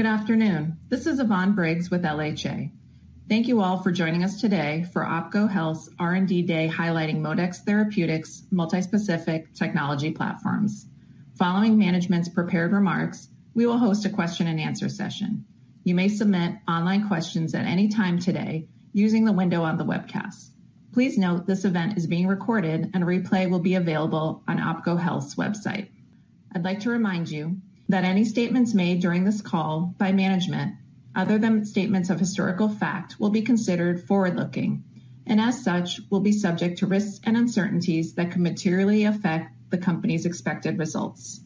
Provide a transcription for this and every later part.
Good afternoon. This is Yvonne Briggs with LHA. Thank you all for joining us today for OPKO Health's R&D Day, highlighting ModeX Therapeutics' multi-specific technology platforms. Following management's prepared remarks, we will host a question and answer session. You may submit online questions at any time today using the window on the webcast. Please note this event is being recorded and a replay will be available on OPKO Health's website. I'd like to remind you that any statements made during this call by management, other than statements of historical fact, will be considered forward-looking and, as such, will be subject to risks and uncertainties that could materially affect the company's expected results.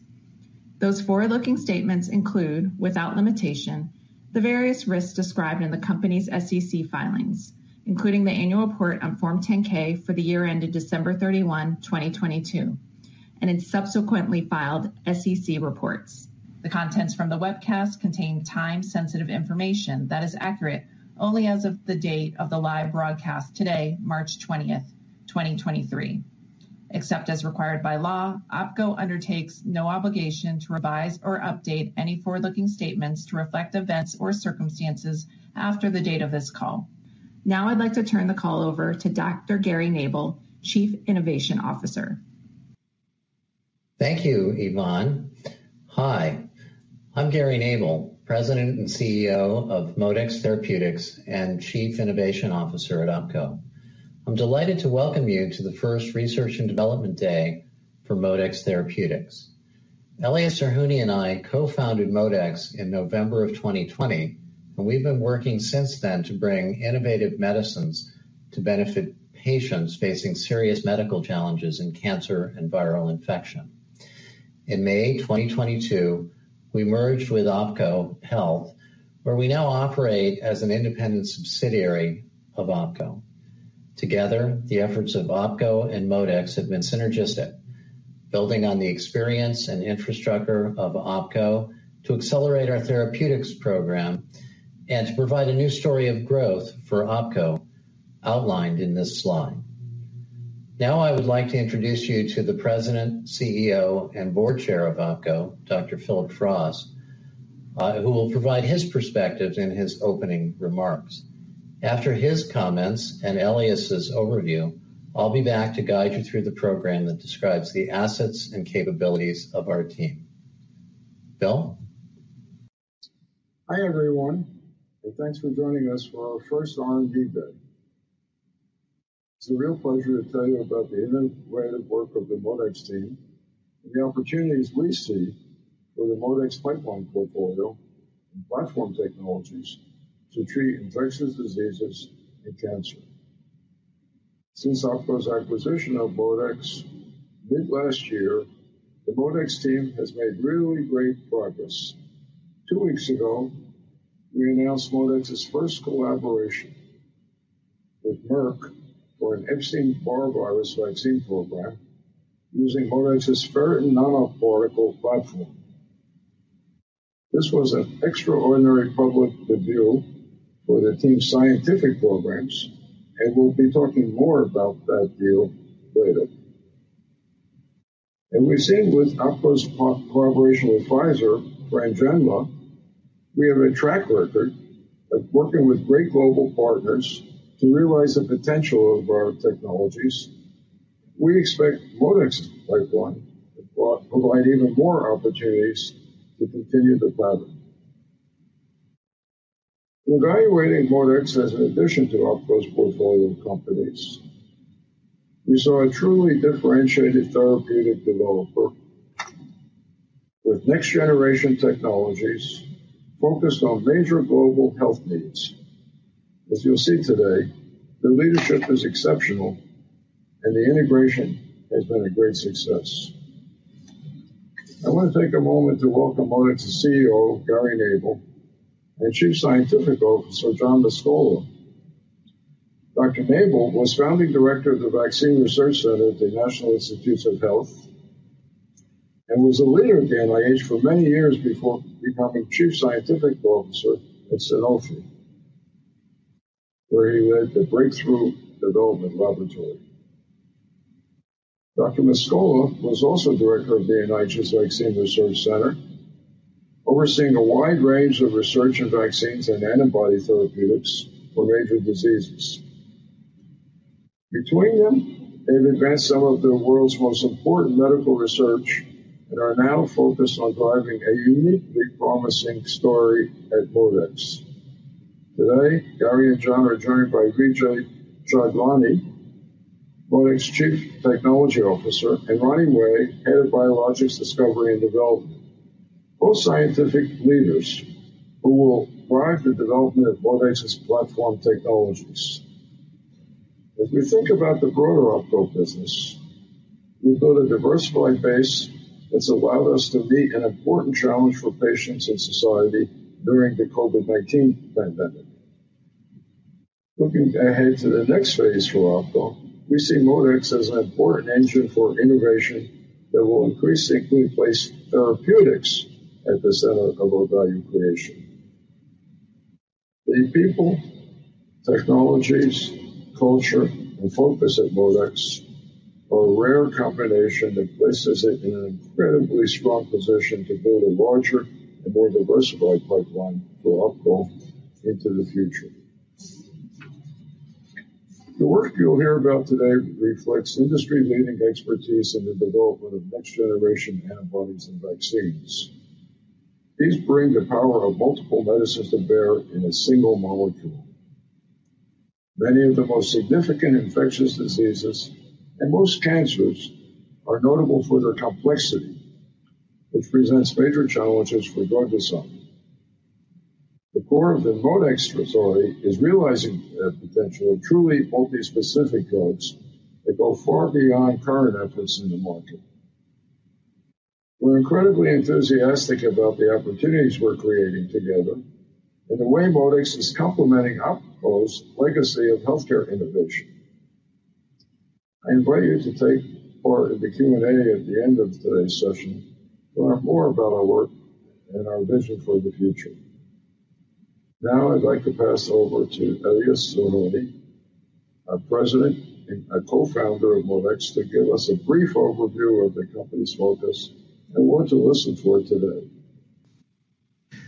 Those forward-looking statements include, without limitation, the various risks described in the company's SEC filings, including the annual report on Form 10-K for the year ended December 31, 2022, and in subsequently filed SEC reports. The contents from the webcast contain time-sensitive information that is accurate only as of the date of the live broadcast today, March 20, 2023. Except as required by law, OPKO undertakes no obligation to revise or update any forward-looking statements to reflect events or circumstances after the date of this call. Now I'd like to turn the call over to Dr. Gary Nabel, Chief Innovation Officer. Thank you, Yvonne. Hi, I'm Gary Nabel, President and CEO of ModeX Therapeutics and Chief Innovation Officer at OPKO. I'm delighted to welcome you to the first research and development day for ModeX Therapeutics. Elias Zerhouni and I co-founded ModeX in November of 2020, and we've been working since then to bring innovative medicines to benefit patients facing serious medical challenges in cancer and viral infection. In May 2022, we merged with OPKO Health, where we now operate as an independent subsidiary of OPKO. Together, the efforts of OPKO and ModeX have been synergistic, building on the experience and infrastructure of OPKO to accelerate our therapeutics program and to provide a new story of growth for OPKO outlined in this slide. Now, I would like to introduce you to the President, CEO, and Board Chair of OPKO, Dr. Phillip Frost, who will provide his perspectives in his opening remarks. After his comments and Elias's overview, I'll be back to guide you through the program that describes the assets and capabilities of our team. Phil? Hi, everyone, thanks for joining us for our first R&D Day. It's a real pleasure to tell you about the innovative work of the ModeX team and the opportunities we see for the ModeX pipeline portfolio and platform technologies to treat infectious diseases and cancer. Since OPKO's acquisition of ModeX mid-last year, the ModeX team has made really great progress. Two weeks ago, we announced ModeX's first collaboration with Merck for an Epstein-Barr virus vaccine program using ModeX's Ferritin Nanoparticle platform. This was an extraordinary public debut for the team's scientific programs, and we'll be talking more about that deal later. We've seen with OPKO's collaboration with Pfizer for NGENLA, we have a track record of working with great global partners to realize the potential of our technologies. We expect ModeX pipeline will provide even more opportunities to continue the pattern. In evaluating ModeX as an addition to OPKO's portfolio of companies, we saw a truly differentiated therapeutic developer with next generation technologies focused on major global health needs. As you'll see today, the leadership is exceptional and the integration has been a great success. I want to take a moment to welcome ModeX CEO, Gary Nabel, and Chief Scientific Officer, John Mascola. Dr. Nabel was Founding Director of the Vaccine Research Center at the National Institutes of Health and was a leader at NIH for many years before becoming Chief Scientific Officer at Sanofi, where he led the Breakthrough Laboratory. Dr. Mascola was also Director of the NIH's Vaccine Research Center, overseeing a wide range of research in vaccines and antibody therapeutics for major diseases. Between them, they've advanced some of the world's most important medical research and are now focused on driving a uniquely promising story at ModeX. Today, Gary and John are joined by Vijay Chhajlani, ModeX Chief Technology Officer, and Ronnie Wei, Head of Biologics Discovery and Development, both scientific leaders who will drive the development of ModeX platform technologies. As we think about the broader OPKO business, we built a diversified base that's allowed us to meet an important challenge for patients in society during the COVID-19 pandemic. Looking ahead to the next phase for OPKO, we see ModeX as an important engine for innovation that will increasingly place therapeutics at the center of our value creation. The people, technologies, culture, and focus at ModeX are a rare combination that places it in an incredibly strong position to build a larger and more diversified pipeline for OPKO into the future. The work you'll hear about today reflects industry-leading expertise in the development of next-generation antibodies and vaccines. These bring the power of multiple medicines to bear in a single molecule. Many of the most significant infectious diseases and most cancers are notable for their complexity, which presents major challenges for drug design. The core of the ModeX strategy is realizing the potential of truly multi-specific drugs that go far beyond current efforts in the market. We're incredibly enthusiastic about the opportunities we're creating together and the way ModeX is complementing OPKO's legacy of healthcare innovation. I invite you to take part in the Q&A at the end of today's session to learn more about our work and our vision for the future. I'd like to pass over to Elias Zerhouni, our President and Co-founder of ModeX, to give us a brief overview of the company's focus and what to listen for today.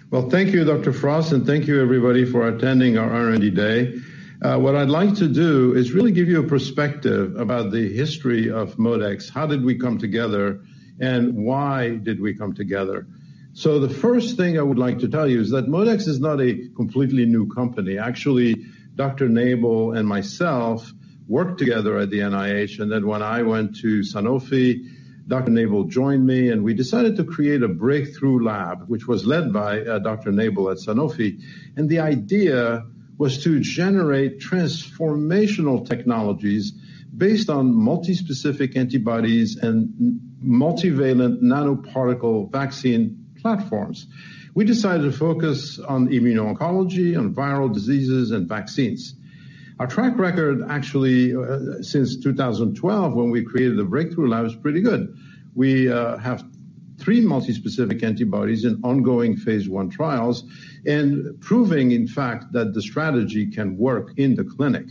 Well, thank you, Dr. Frost, and thank you everybody for attending our R&D Day. What I'd like to do is really give you a perspective about the history of ModeX, how did we come together, and why did we come together. The first thing I would like to tell you is that ModeX is not a completely new company. Actually, Dr. Nabel and myself worked together at the NIH, and then when I went to Sanofi, Dr. Nabel joined me, and we decided to create a Breakthrough Lab, which was led by Dr. Nabel at Sanofi. The idea was to generate transformational technologies based on multispecific antibodies and multivalent nanoparticle vaccine platforms. We decided to focus on immuno-oncology, on viral diseases, and vaccines. Our track record, actually, since 2012, when we created the Breakthrough Lab, is pretty good. We have three multi-specific antibodies in ongoing phase I trials and proving, in fact, that the strategy can work in the clinic.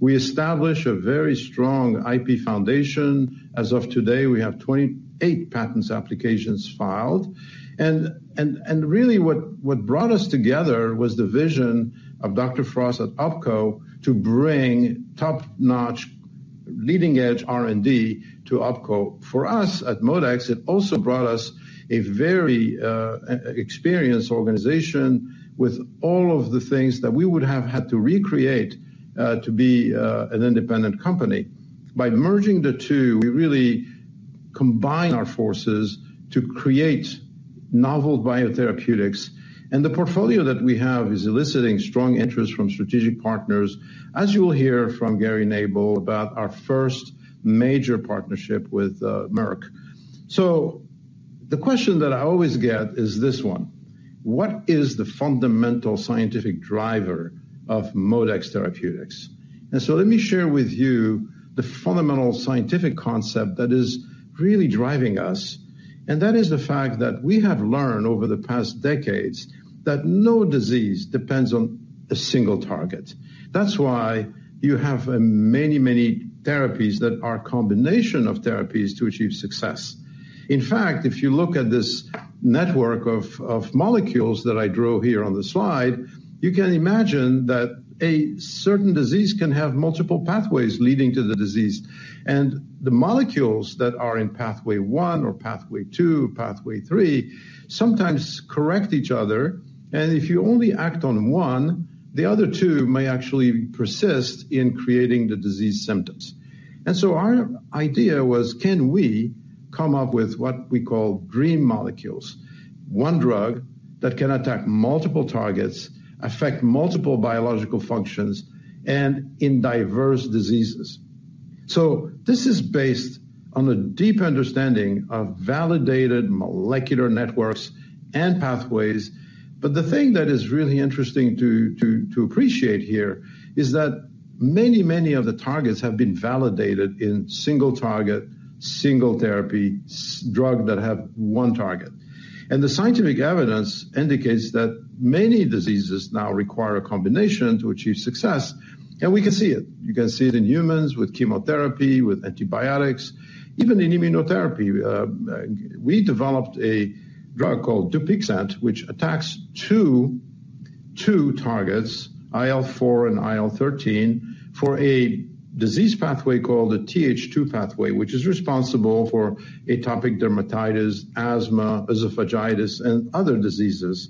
We established a very strong IP foundation. As of today, we have 28 patent applications filed. Really what brought us together was the vision of Dr. Frost at OPKO to bring top-notch leading-edge R&D to OPKO. For us at ModeX, it also brought us a very experienced organization with all of the things that we would have had to recreate to be an independent company. By merging the two, we really combined our forces to create novel biotherapeutics, and the portfolio that we have is eliciting strong interest from strategic partners, as you will hear from Gary Nabel about our first major partnership with Merck. The question that I always get is this one: What is the fundamental scientific driver of ModeX Therapeutics? Let me share with you the fundamental scientific concept that is really driving us, and that is the fact that we have learned over the past decades that no disease depends on a single target. That's why you have many, many therapies that are a combination of therapies to achieve success. In fact, if you look at this network of molecules that I drew here on the slide, you can imagine that a certain disease can have multiple pathways leading to the disease. The molecules that are in pathway one or pathway two, pathway three, sometimes correct each other. If you only act on one, the other two may actually persist in creating the disease symptoms. Our idea was, can we come up with what we call dream molecules, one drug that can attack multiple targets, affect multiple biological functions, and in diverse diseases? This is based on a deep understanding of validated molecular networks and pathways. The thing that is really interesting to appreciate here is that many, many of the targets have been validated in single target, single therapy, drug that have one target. The scientific evidence indicates that many diseases now require a combination to achieve success. We can see it. You can see it in humans with chemotherapy, with antibiotics, even in immunotherapy. We developed a drug called Dupixent, which attacks two targets, IL-4 and IL-13, for a disease pathway called a Th2 pathway, which is responsible for atopic dermatitis, asthma, esophagitis, and other diseases.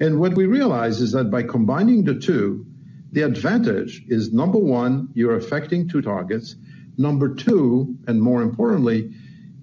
What we realized is that by combining the two, the advantage is, number one, you're affecting two targets. Number two, more importantly,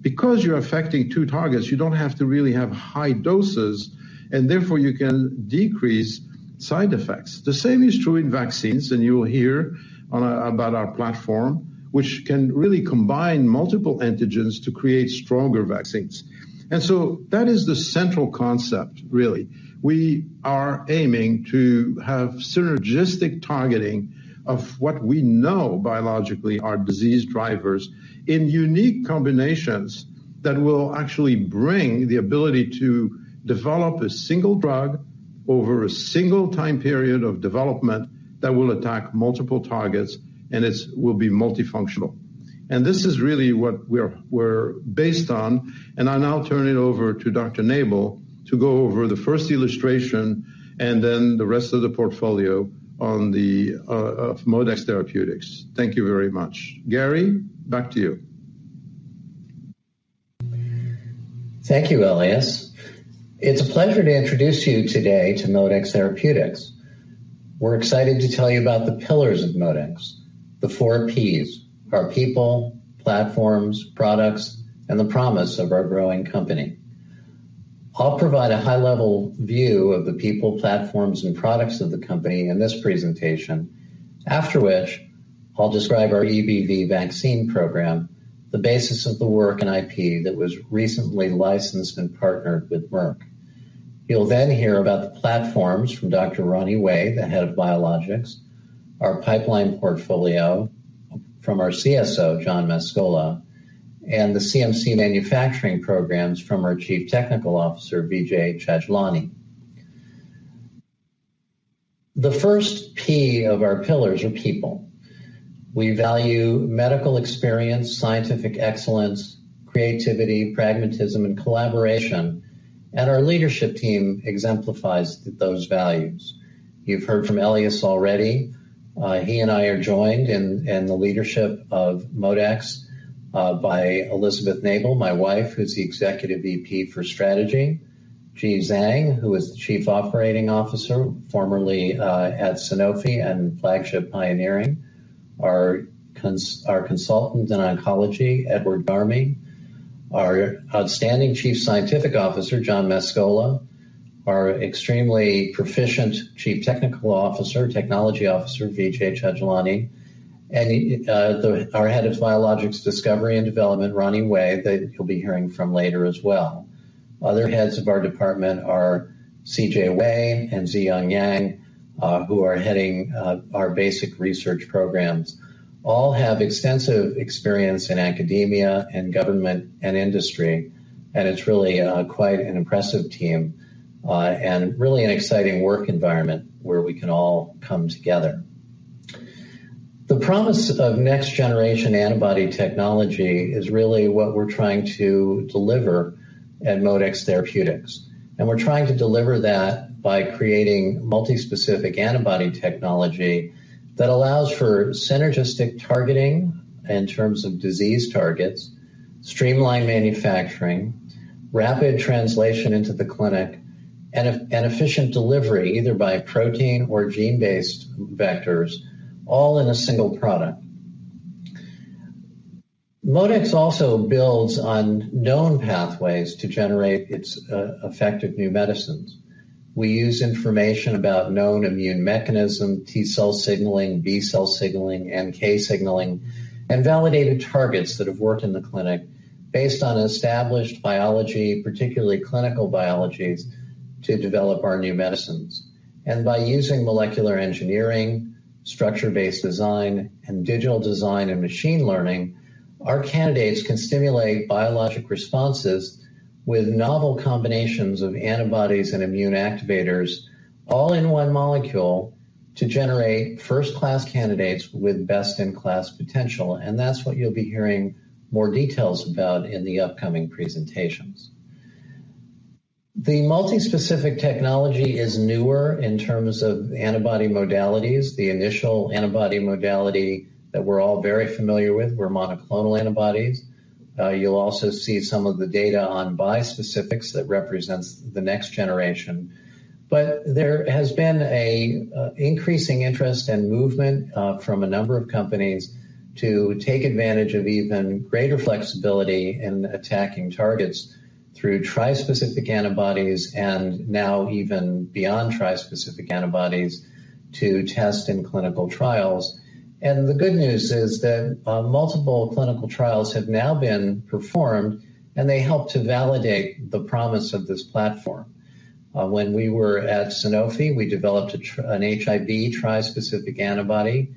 because you're affecting two targets, you don't have to really have high doses, and therefore you can decrease side effects. The same is true in vaccines, you will hear about our platform, which can really combine multiple antigens to create stronger vaccines. That is the central concept really. We are aiming to have synergistic targeting of what we know biologically are disease drivers in unique combinations that will actually bring the ability to develop a single drug over a single time period of development that will attack multiple targets, and it will be multifunctional. This is really what we're based on, and I'll now turn it over to Dr. Nabel to go over the first illustration and then the rest of the portfolio on the of ModeX Therapeutics. Thank you very much. Gary, back to you. Thank you, Elias. It's a pleasure to introduce you today to ModeX Therapeutics. We're excited to tell you about the pillars of ModeX, the four Ps, our people, platforms, products, and the promise of our growing company. I'll provide a high-level view of the people, platforms, and products of the company in this presentation. After which, I'll describe our EBV vaccine program, the basis of the work in IP that was recently licensed and partnered with Merck. You'll hear about the platforms from Dr. Ronnie Wei, the Head of Biologics, our pipeline portfolio from our CSO, John Mascola, and the CMC manufacturing programs from our Chief Technical Officer, Vijay Chhajlani. The first P of our pillars are people. We value medical experience, scientific excellence, creativity, pragmatism, and collaboration. Our leadership team exemplifies those values. You've heard from Elias already. He and I are joined in the leadership of ModeX by Elizabeth Nabel, my wife, who's the Executive VP for Strategy. Ji Zhang, who is the Chief Operating Officer, formerly at Sanofi and Flagship Pioneering. Our consultant in oncology, Edward Garmey. Our outstanding Chief Scientific Officer, John Mascola. Our extremely proficient Chief Technology Officer, Vijay Chhajlani. Our Head of Biologics Discovery and Development, Ronnie Wei, that you'll be hearing from later as well. Other heads of our department are CJ Wei and Ziyong Yang, who are heading our basic research programs. All have extensive experience in academia and government and industry, and it's really quite an impressive team and really an exciting work environment where we can all come together. The promise of next-generation antibody technology is really what we're trying to deliver at ModeX Therapeutics. We're trying to deliver that by creating multispecific antibody technology that allows for synergistic targeting in terms of disease targets, streamlined manufacturing, rapid translation into the clinic, and efficient delivery, either by protein or gene-based vectors, all in a single product. ModeX also builds on known pathways to generate its effective new medicines. We use information about known immune mechanism, T cell signaling, B cell signaling, and K signaling, and validated targets that have worked in the clinic based on established biology, particularly clinical biologies, to develop our new medicines. By using molecular engineering, structure-based design, and digital design and machine learning, our candidates can stimulate biologic responses with novel combinations of antibodies and immune activators all in one molecule to generate first-class candidates with best-in-class potential. That's what you'll be hearing more details about in the upcoming presentations. The multi-specific technology is newer in terms of antibody modalities. The initial antibody modality that we're all very familiar with were monoclonal antibodies. You'll also see some of the data on bispecifics that represents the next generation. There has been an increasing interest and movement from a number of companies to take advantage of even greater flexibility in attacking targets through tri-specific antibodies and now even beyond tri-specific antibodies to test in clinical trials. The good news is that multiple clinical trials have now been performed, and they help to validate the promise of this platform. When we were at Sanofi, we developed an HIV tri-specific antibody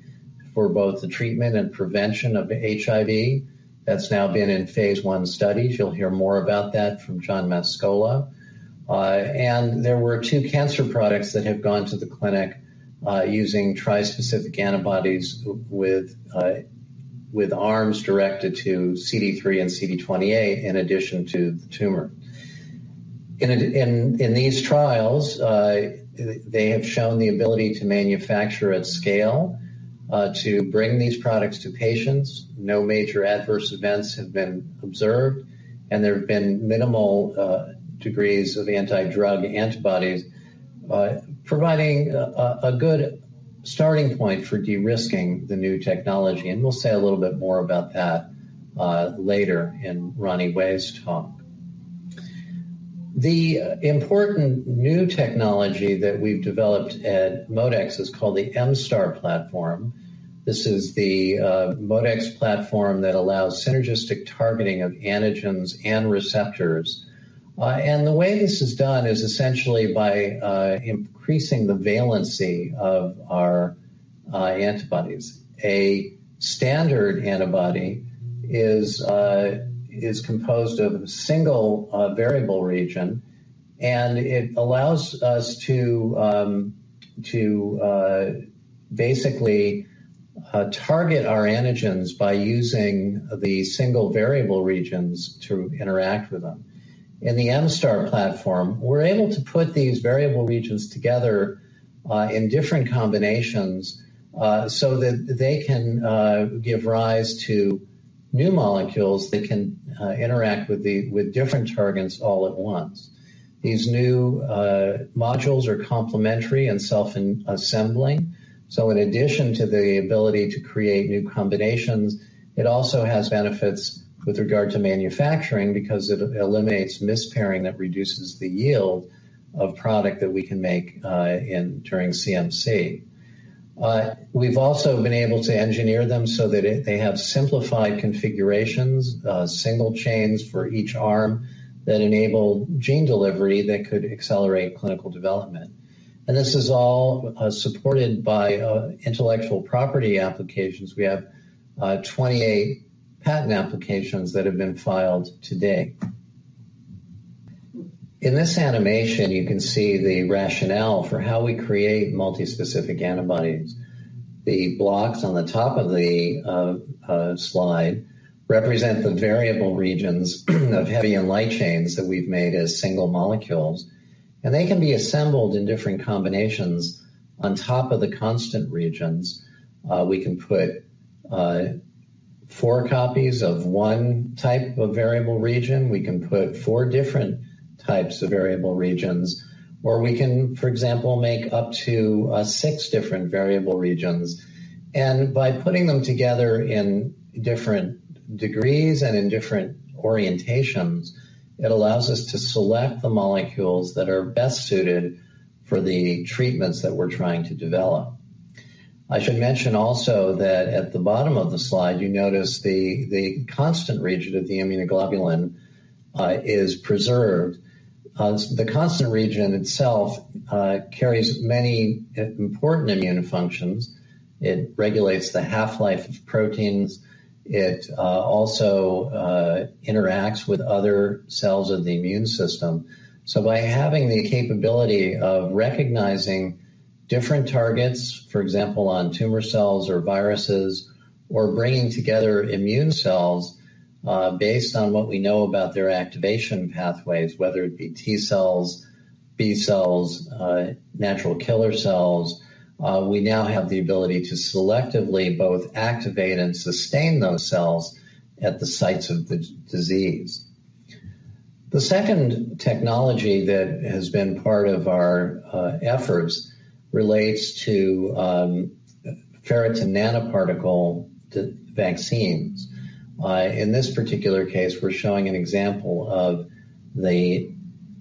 for both the treatment and prevention of HIV. That's now been in phase I studies. You'll hear more about that from John Mascola. There were two cancer products that have gone to the clinic using trispecific antibodies with arms directed to CD3 and CD28 in addition to the tumor. In these trials, they have shown the ability to manufacture at scale to bring these products to patients. No major adverse events have been observed, and there have been minimal degrees of anti-drug antibodies, providing a good starting point for de-risking the new technology. We'll say a little bit more about that later in Ronnie Wei's talk. The important new technology that we've developed at ModeX is called the MSTAR platform. This is the ModeX platform that allows synergistic targeting of antigens and receptors. The way this is done is essentially by increasing the valency of our antibodies. A standard antibody is composed of a single variable region, it allows us to basically target our antigens by using the single variable regions to interact with them. In the MSTAR platform, we're able to put these variable regions together in different combinations so that they can give rise to new molecules that can interact with different targets all at once. These new modules are complementary and self-assembling. In addition to the ability to create new combinations, it also has benefits with regard to manufacturing because it eliminates mispairing that reduces the yield of product that we can make during CMC. We've also been able to engineer them so that they have simplified configurations, single chains for each arm that enable gene delivery that could accelerate clinical development. This is all supported by intellectual property applications. We have 28 patent applications that have been filed to date. In this animation, you can see the rationale for how we create multispecific antibodies. The blocks on the top of the slide represent the variable regions of heavy and light chains that we've made as single molecules, and they can be assembled in different combinations. On top of the constant regions, we can put four copies of one type of variable region, we can put four different types of variable regions, or we can, for example, make up to six different variable regions. By putting them together in different degrees and in different orientations, it allows us to select the molecules that are best suited for the treatments that we're trying to develop. I should mention also that at the bottom of the slide, you notice the constant region of the immunoglobulin is preserved. The constant region itself carries many important immune functions. It regulates the half-life of proteins. It also interacts with other cells of the immune system. By having the capability of recognizing different targets, for example, on tumor cells or viruses, or bringing together immune cells, based on what we know about their activation pathways, whether it be T cells, B cells, natural killer cells, we now have the ability to selectively both activate and sustain those cells at the sites of disease. The second technology that has been part of our efforts relates to Ferritin Nanoparticle to vaccines. In this particular case, we're showing an example of the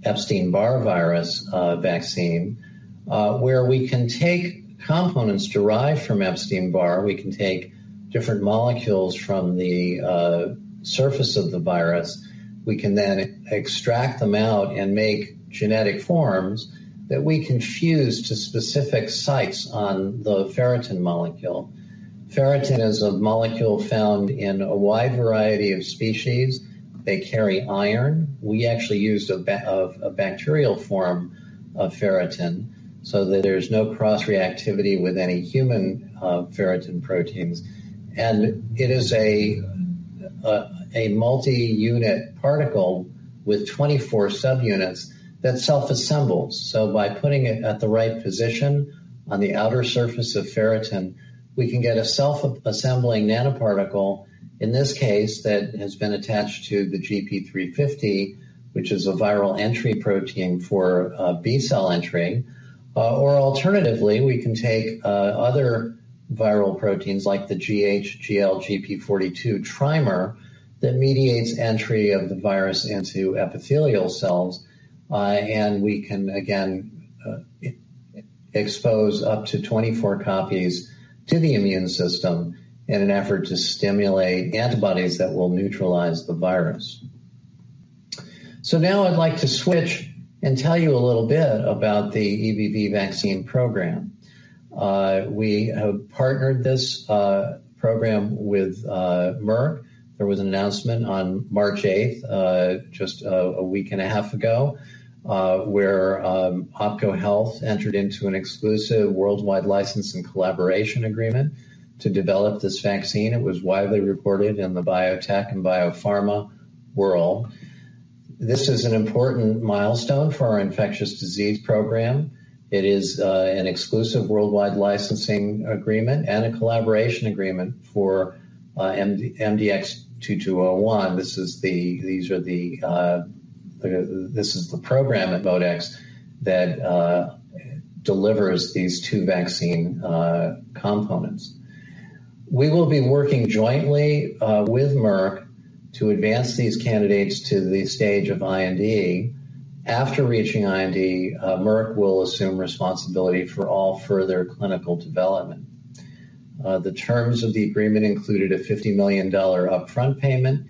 Epstein-Barr virus vaccine, where we can take components derived from Epstein-Barr, we can take different molecules from the surface of the virus. We can extract them out and make genetic forms that we can fuse to specific sites on the ferritin molecule. Ferritin is a molecule found in a wide variety of species. They carry iron. We actually use a bacterial form of ferritin so that there's no cross-reactivity with any human ferritin proteins. It is a multi-unit particle with 24 subunits that self-assembles. By putting it at the right position on the outer surface of ferritin, we can get a self-assembling nanoparticle, in this case, that has been attached to the GP350, which is a viral entry protein for B cell entry. Or alternatively, we can take other viral proteins like the gH/gL/gp42 trimer that mediates entry of the virus into Epithelial cells, and we can again expose up to 24 copies to the immune system in an effort to stimulate antibodies that will neutralize the virus. Now I'd like to switch and tell you a little bit about the EBV vaccine program. We have partnered this program with Merck. There was an announcement on March 8th, just a week and a half ago, where OPKO Health entered into an exclusive worldwide license and collaboration agreement to develop this vaccine. It was widely reported in the biotech and biopharma world. This is an important milestone for our infectious disease program. It is an exclusive worldwide licensing agreement and a collaboration agreement for MDX-2201. These are the, this is the program at ModeX that delivers these two vaccine components. We will be working jointly with Merck to advance these candidates to the stage of IND. After reaching IND, Merck will assume responsibility for all further clinical development. The terms of the agreement included a $50 million upfront payment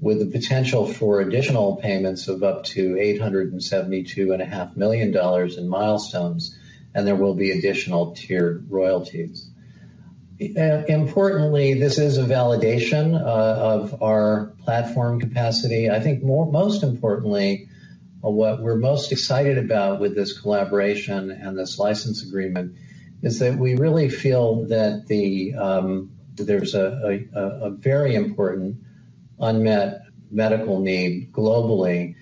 with the potential for additional payments of up to $872.5 million in milestones, and there will be additional tiered royalties. Importantly, this is a validation of our platform capacity. I think most importantly, what we're most excited about with this collaboration and this license agreement is that we really feel that the, there's a very important unmet medical need globally.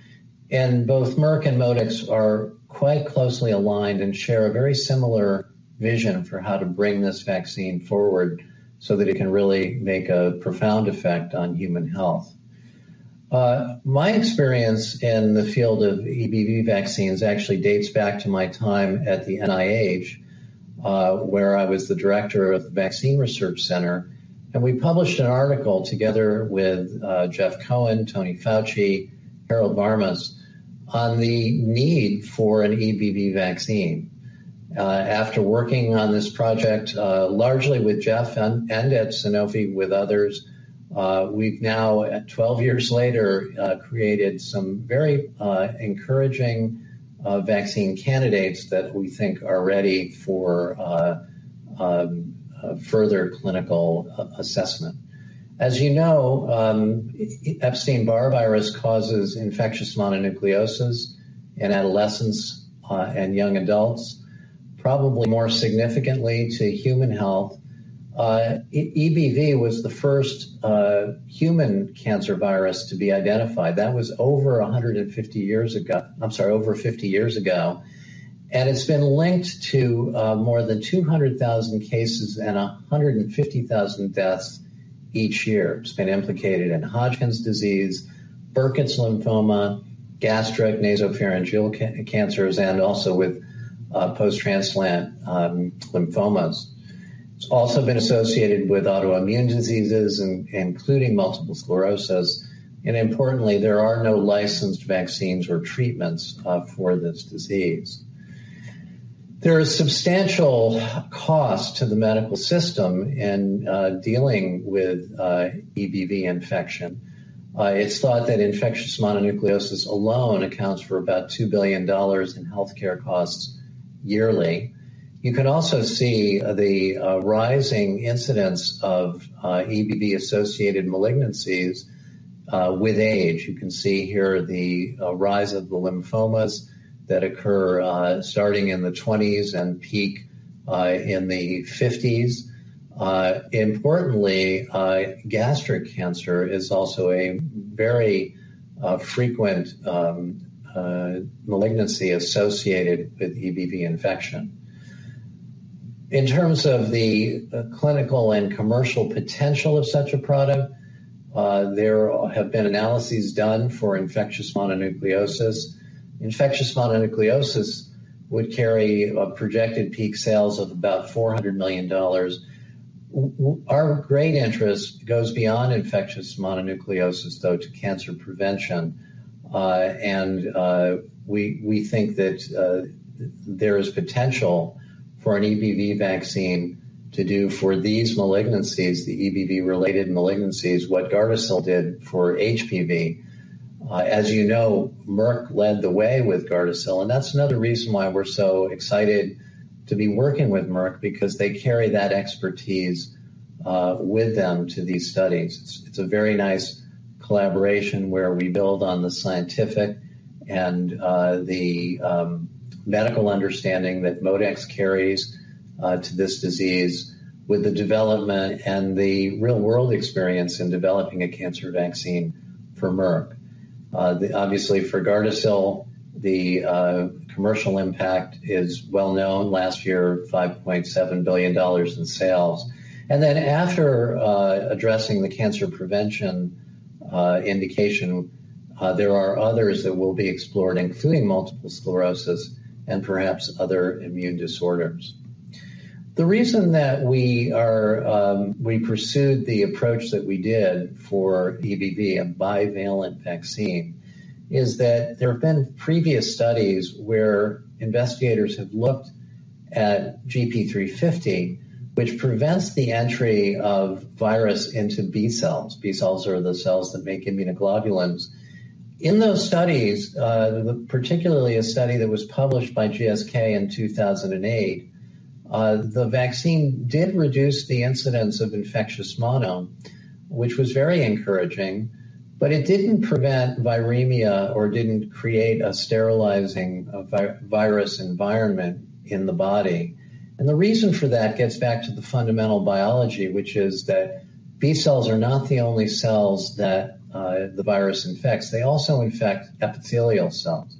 Both Merck and ModeX are quite closely aligned and share a very similar vision for how to bring this vaccine forward so that it can really make a profound effect on human health. My experience in the field of EBV vaccines actually dates back to my time at the NIH, where I was the director of the Vaccine Research Center. We published an article together with Jeff Cohen, Tony Fauci, Harold Varmus, on the need for an EBV vaccine. After working on this project, largely with Jeff and at Sanofi with others, we've now, at 12 years later, created some very encouraging vaccine candidates that we think are ready for further clinical assessment. As you know, Epstein-Barr virus causes infectious mononucleosis in adolescents and young adults, probably more significantly to human health. EBV was the first human cancer virus to be identified. That was over 150 years ago. I'm sorry, over 50 years ago. It's been linked to more than 200,000 cases and 150,000 deaths each year. It's been implicated in Hodgkin's disease, Burkitt's lymphoma, gastric nasopharyngeal cancers, and also with post-transplant lymphomas. It's also been associated with autoimmune diseases, including multiple sclerosis. Importantly, there are no licensed vaccines or treatments for this disease. There is substantial cost to the medical system in dealing with EBV infection. It's thought that infectious mononucleosis alone accounts for about $2 billion in healthcare costs yearly. You can also see the rising incidence of EBV-associated malignancies with age. You can see here the rise of the lymphomas that occur starting in the 20s and peak in the 50s. Importantly, gastric cancer is also a very frequent malignancy associated with EBV infection. In terms of the clinical and commercial potential of such a product, there have been analyses done for infectious mononucleosis. Infectious mononucleosis would carry a projected peak sales of about $400 million. Our great interest goes beyond infectious mononucleosis, though, to cancer prevention. We think that there is potential for an EBV vaccine to do for these malignancies, the EBV-related malignancies, what GARDASIL did for HPV. As you know, Merck led the way with GARDASIL, and that's another reason why we're so excited to be working with Merck because they carry that expertise with them to these studies. It's a very nice collaboration where we build on the scientific and the medical understanding that ModeX carries to this disease with the development and the real-world experience in developing a cancer vaccine for Merck. Obviously for GARDASIL, the commercial impact is well known. Last year, $5.7 billion in sales. After addressing the cancer prevention indication, there are others that we'll be exploring, including multiple sclerosis and perhaps other immune disorders. The reason that we pursued the approach that we did for EBV, a bivalent vaccine, is that there have been previous studies where investigators have looked at GP350, which prevents the entry of virus into B cells. B cells are the cells that make immunoglobulins. In those studies, particularly a study that was published by GSK in 2008, the vaccine did reduce the incidence of infectious mono, which was very encouraging, but it didn't prevent viremia or didn't create a sterilizing virus environment in the body. The reason for that gets back to the fundamental biology, which is that B cells are not the only cells that the virus infects. They also infect Epithelial cells.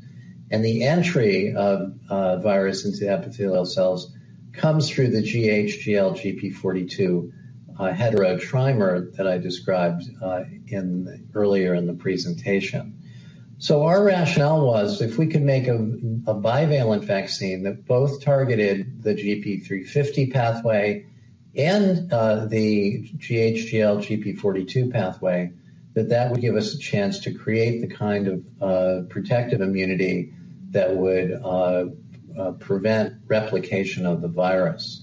The entry of virus into the Epithelial cells comes through the gH/gL/gp42 heterotrimer that I described earlier in the presentation. Our rationale was, if we could make a bivalent vaccine that both targeted the GP350 pathway and the gH/gL/gp42 pathway. That would give us a chance to create the kind of protective immunity that would prevent replication of the virus.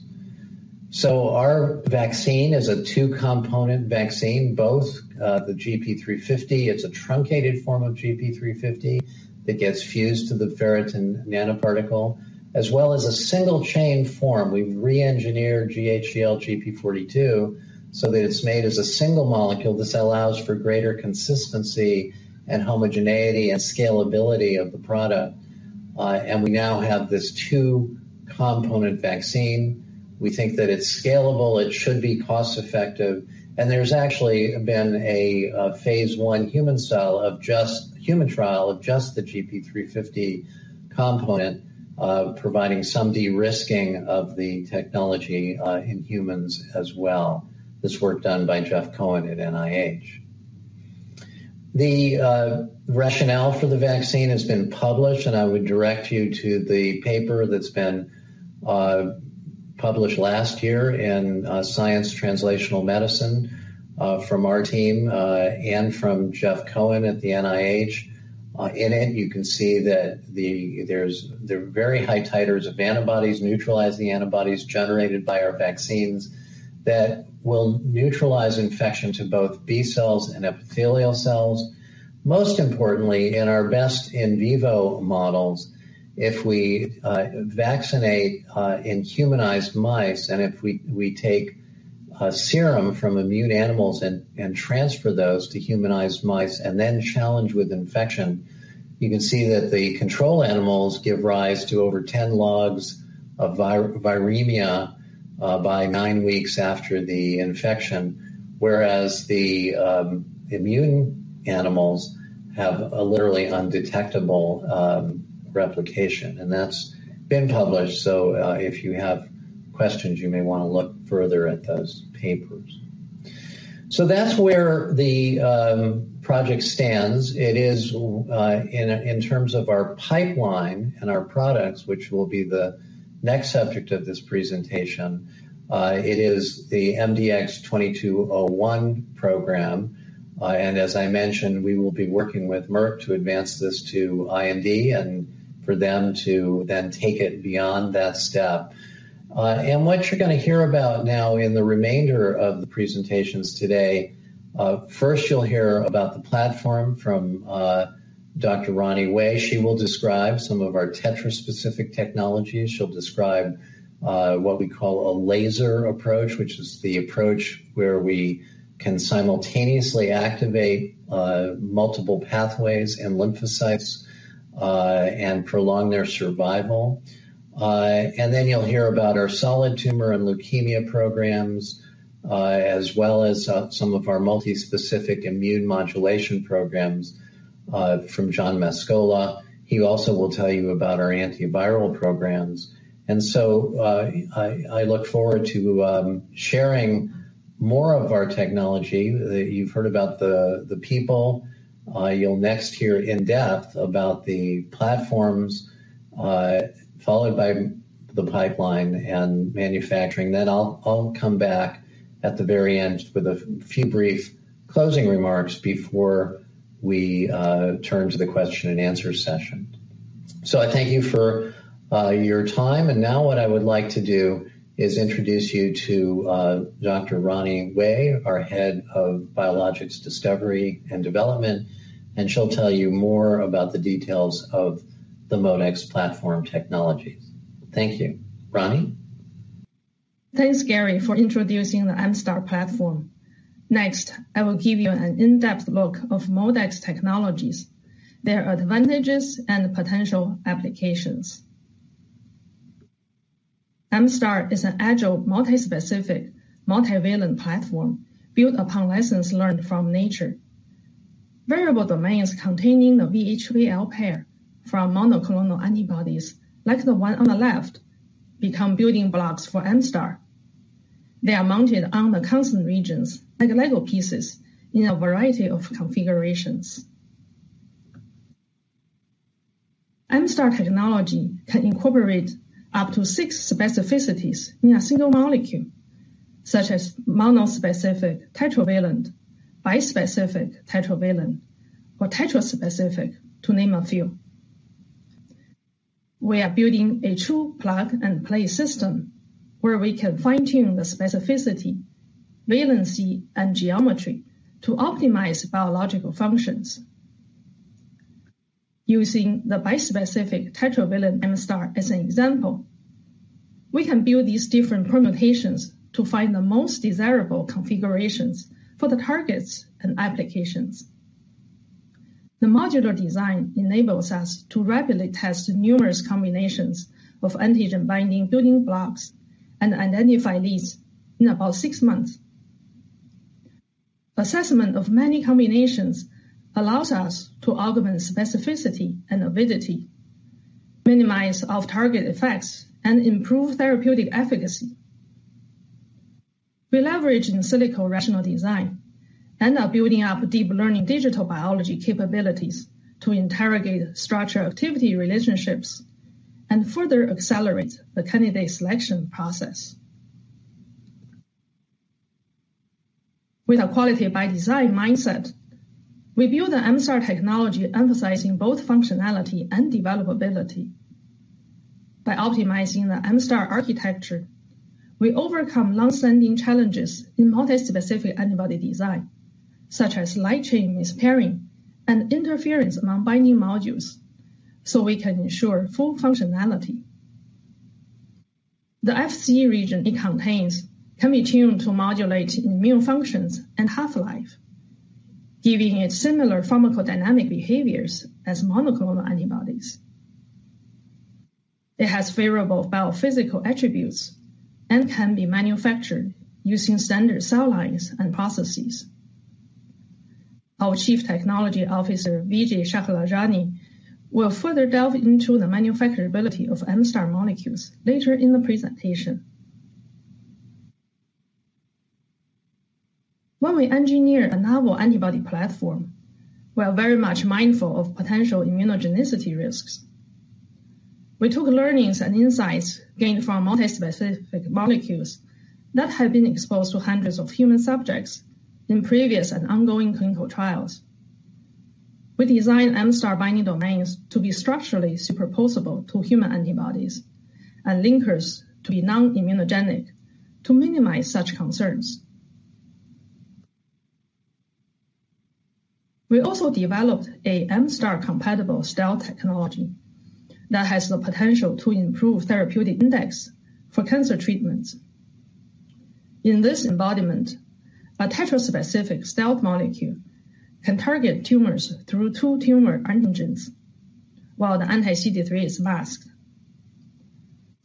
Our vaccine is a two-component vaccine, both the GP350, it's a truncated form of GP350 that gets fused to the Ferritin Nanoparticle, as well as a single chain form. We've re-engineered gH/gL/gp42 so that it's made as a single molecule. This allows for greater consistency and homogeneity and scalability of the product. We now have this two-component vaccine. We think that it's scalable, it should be cost-effective, and there's actually been a phase I human trial of just the GP350 component, providing some de-risking of the technology in humans as well. This work done by Jeff Cohen at NIH. The rationale for the vaccine has been published, and I would direct you to the paper that's been published last year in Science Translational Medicine from our team and from Jeff Cohen at the NIH. In it, you can see that there's very high titers of antibodies, neutralizing antibodies generated by our vaccines that will neutralize infection to both B cells and Epithelial cells. Most importantly, in our best in vivo models, if we vaccinate in humanized mice, and if we take a serum from immune animals and transfer those to humanized mice and then challenge with infection, you can see that the control animals give rise to over 10 logs of viremia by nine weeks after the infection, whereas the immune animals have a literally undetectable replication. That's been published, so if you have questions, you may wanna look further at those papers. That's where the project stands. It is in terms of our pipeline and our products, which will be the next subject of this presentation, it is the MDX-2201 program. As I mentioned, we will be working with Merck to advance this to IND and for them to then take it beyond that step. What you're gonna hear about now in the remainder of the presentations today, first you'll hear about the platform from Dr. Ronnie Wei. She will describe some of our tetraspecific technologies. She'll describe what we call a LASER approach, which is the approach where we can simultaneously activate multiple pathways and lymphocytes and prolong their survival. Then you'll hear about our solid tumor and leukemia programs, as well as some of our multispecific immune modulation programs from John Mascola. He also will tell you about our antiviral programs. I look forward to sharing more of our technology. You've heard about the people. You'll next hear in depth about the platforms, followed by the pipeline and manufacturing. I'll come back at the very end with a few brief closing remarks before we turn to the question and answer session. I thank you for your time, and now what I would like to do is introduce you to Dr. Ronnie Wei, our Head of Biologics Discovery and Development, and she'll tell you more about the details of the ModeX platform technologies. Thank you. Ronnie. Thanks, Gary, for introducing the MSTAR platform. Next, I will give you an in-depth look of ModeX Technologies, their advantages and potential applications. MSTAR is an agile, multi-specific, multivalent platform built upon lessons learned from nature. Variable domains containing the VHVL pair from monoclonal antibodies, like the one on the left, become building blocks for MSTAR. They are mounted on the constant regions like LEGO pieces in a variety of configurations. MSTAR technology can incorporate up to six specificities in a single molecule, such as monospecific tetravalent, bispecific tetravalent, or tetraspecific to name a few. We are building a true plug-and-play system where we can fine-tune the specificity, valency, and geometry to optimize biological functions. Using the bispecific tetravalent MSTAR as an example, we can build these different permutations to find the most desirable configurations for the targets and applications. The modular design enables us to rapidly test numerous combinations of antigen-binding building blocks and identify these in about six months. Assessment of many combinations allows us to augment specificity and avidity, minimize off-target effects, and improve therapeutic efficacy. We leverage in silico rational design and are building up deep learning digital biology capabilities to interrogate structure activity relationships and further accelerate the candidate selection process. With a quality by design mindset, we build the MSTAR technology emphasizing both functionality and developability. By optimizing the MSTAR architecture, we overcome long-standing challenges in multispecific antibody design, such as light chain mispairing and interference among binding modules, so we can ensure full functionality. The FC region it contains can be tuned to modulate immune functions and half-life, giving it similar pharmacodynamic behaviors as monoclonal antibodies. It has favorable biophysical attributes and can be manufactured using standard cell lines and processes. Our Chief Technology Officer, Vijay Chhajlani, will further delve into the manufacturability of MSTAR molecules later in the presentation. When we engineer a novel antibody platform, we are very much mindful of potential immunogenicity risks. We took learnings and insights gained from multispecific molecules that have been exposed to hundreds of human subjects in previous and ongoing clinical trials. We designed MSTAR binding domains to be structurally superposable to human antibodies and linkers to be non-immunogenic to minimize such concerns. We also developed a MSTAR compatible stealth technology that has the potential to improve therapeutic index for cancer treatments. In this embodiment, a tetraspecific stealth molecule can target tumors through two tumor antigens, while the anti-CD3 is masked.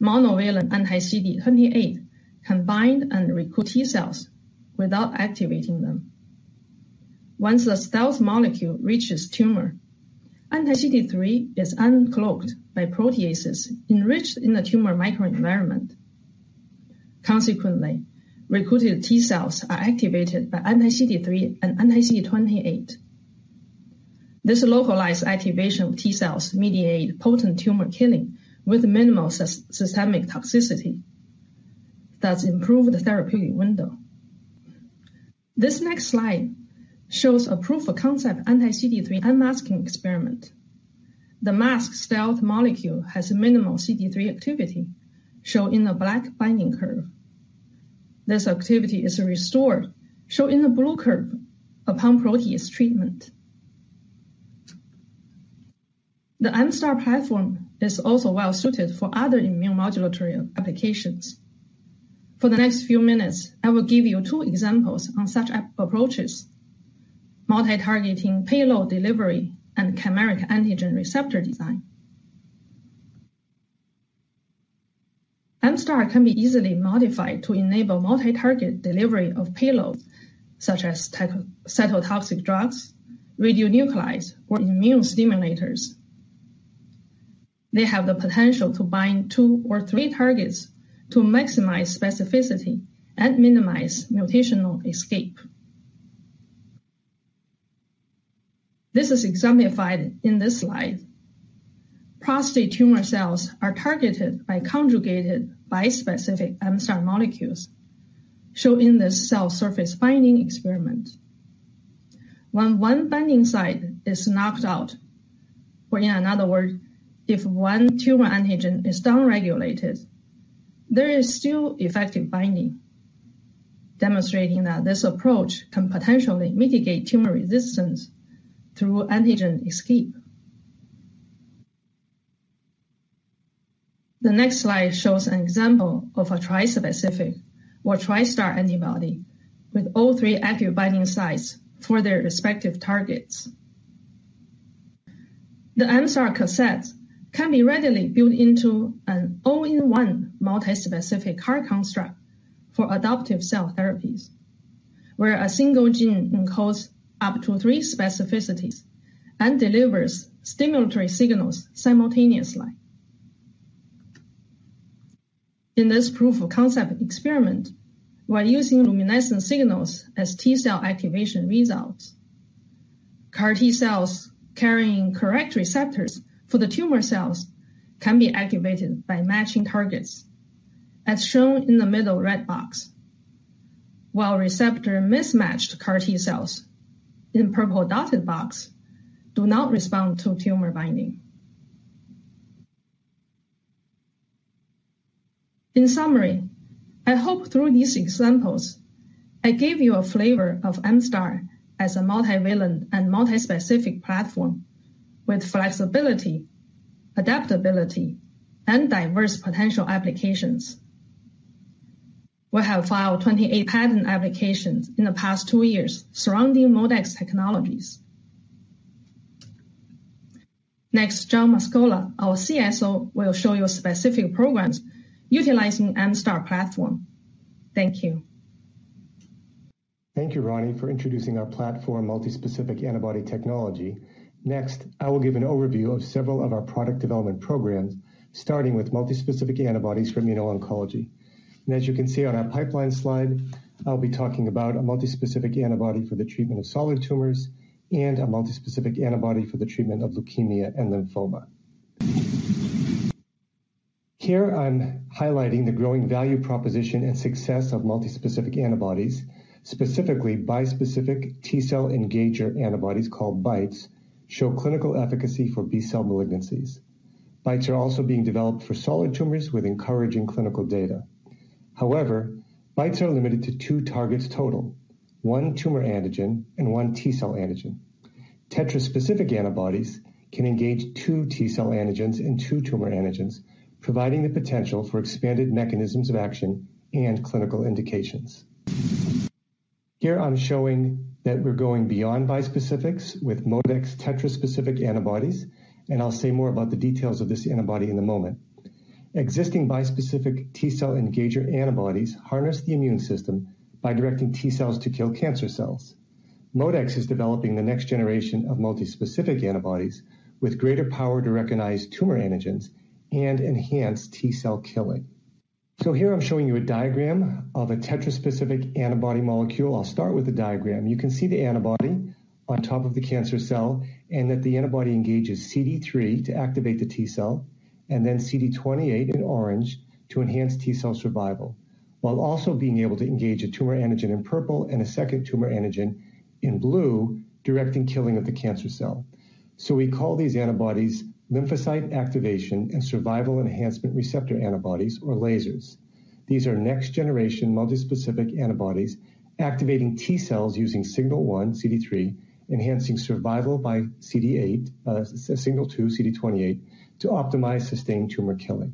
Monovalent anti-CD28 can bind and recruit T cells without activating them. Once the stealth molecule reaches tumor, anti-CD3 is uncloaked by proteases enriched in the tumor microenvironment. Consequently, recruited T cells are activated by anti-CD3 and anti-CD28. This localized activation of T cells mediate potent tumor killing with minimal systemic toxicity that improve the therapeutic window. This next slide shows a proof of concept anti-CD3 unmasking experiment. The masked stealth molecule has minimal CD3 activity, shown in the black binding curve. This activity is restored, shown in the blue curve, upon protease treatment. The MSTAR platform is also well-suited for other immunomodulatory applications. For the next few minutes, I will give you two examples on such approaches. Multitargeting payload delivery and chimeric antigen receptor design. MSTAR can be easily modified to enable multitarget delivery of payloads such as cytotoxic drugs, radionuclides, or immune stimulators. They have the potential to bind two or three targets to maximize specificity and minimize mutational escape. This is exemplified in this slide. Prostate tumor cells are targeted by conjugated bispecific MSTAR molecules, shown in this cell surface binding experiment. When one binding site is knocked out, or in another word, if one tumor antigen is downregulated, there is still effective binding, demonstrating that this approach can potentially mitigate tumor resistance through antigen escape. The next slide shows an example of a trispecific or Tri-MSTAR antibody with all three active binding sites for their respective targets. The MSTAR cassettes can be readily built into an all-in-one multispecific CAR construct for adoptive cell therapies, where a single gene encodes up to 3 specificities and delivers stimulatory signals simultaneously. In this proof of concept experiment, while using luminescent signals as T cell activation results, CAR-T cells carrying correct receptors for the tumor cells can be activated by matching targets, as shown in the middle red box. While receptor mismatched CAR-T cells in purple dotted box do not respond to tumor binding. In summary, I hope through these examples, I gave you a flavor of MSTAR as a multivalent and multispecific platform with flexibility, adaptability, and diverse potential applications. We have filed 28 patent applications in the past two years surrounding ModeX Technologies. Next, John Mascola, our CSO, will show you specific programs utilizing MSTAR platform. Thank you. Thank you, Ronnie, for introducing our platform, Multispecific Antibody Technology. Next, I will give an overview of several of our product development programs, starting with multispecific antibodies for immuno-oncology. As you can see on our pipeline slide, I'll be talking about a multispecific antibody for the treatment of solid tumors and a multispecific antibody for the treatment of leukemia and lymphoma. Here I'm highlighting the growing value proposition and success of multispecific antibodies, specifically bispecific T cell engager antibodies called BiTEs, show clinical efficacy for B cell malignancies. BiTEs are also being developed for solid tumors with encouraging clinical data. However, BiTEs are limited to two targets total, one tumor antigen and one T cell antigen. Tetraspecific antibodies can engage two T cell antigens and two tumor antigens, providing the potential for expanded mechanisms of action and clinical indications. Here I'm showing that we're going beyond bispecifics with ModeX tetraspecific antibodies. I'll say more about the details of this antibody in a moment. Existing bispecific T cell engager antibodies harness the immune system by directing T cells to kill cancer cells. ModeX is developing the next generation of multispecific antibodies with greater power to recognize tumor antigens and enhance T cell killing. Here I'm showing you a diagram of a tetraspecific antibody molecule. I'll start with the diagram. You can see the antibody on top of the cancer cell, that the antibody engages CD3 to activate the T cell, then CD28 in orange to enhance T cell survival, while also being able to engage a tumor antigen in purple and a second tumor antigen in blue, directing killing of the cancer cell. We call these antibodies lymphocyte activation and survival enhancement receptor antibodies or LASERs. These are next generation multispecific antibodies activating T cells using signal one CD3, enhancing survival by CD8, signal two CD28 to optimize sustained tumor killing.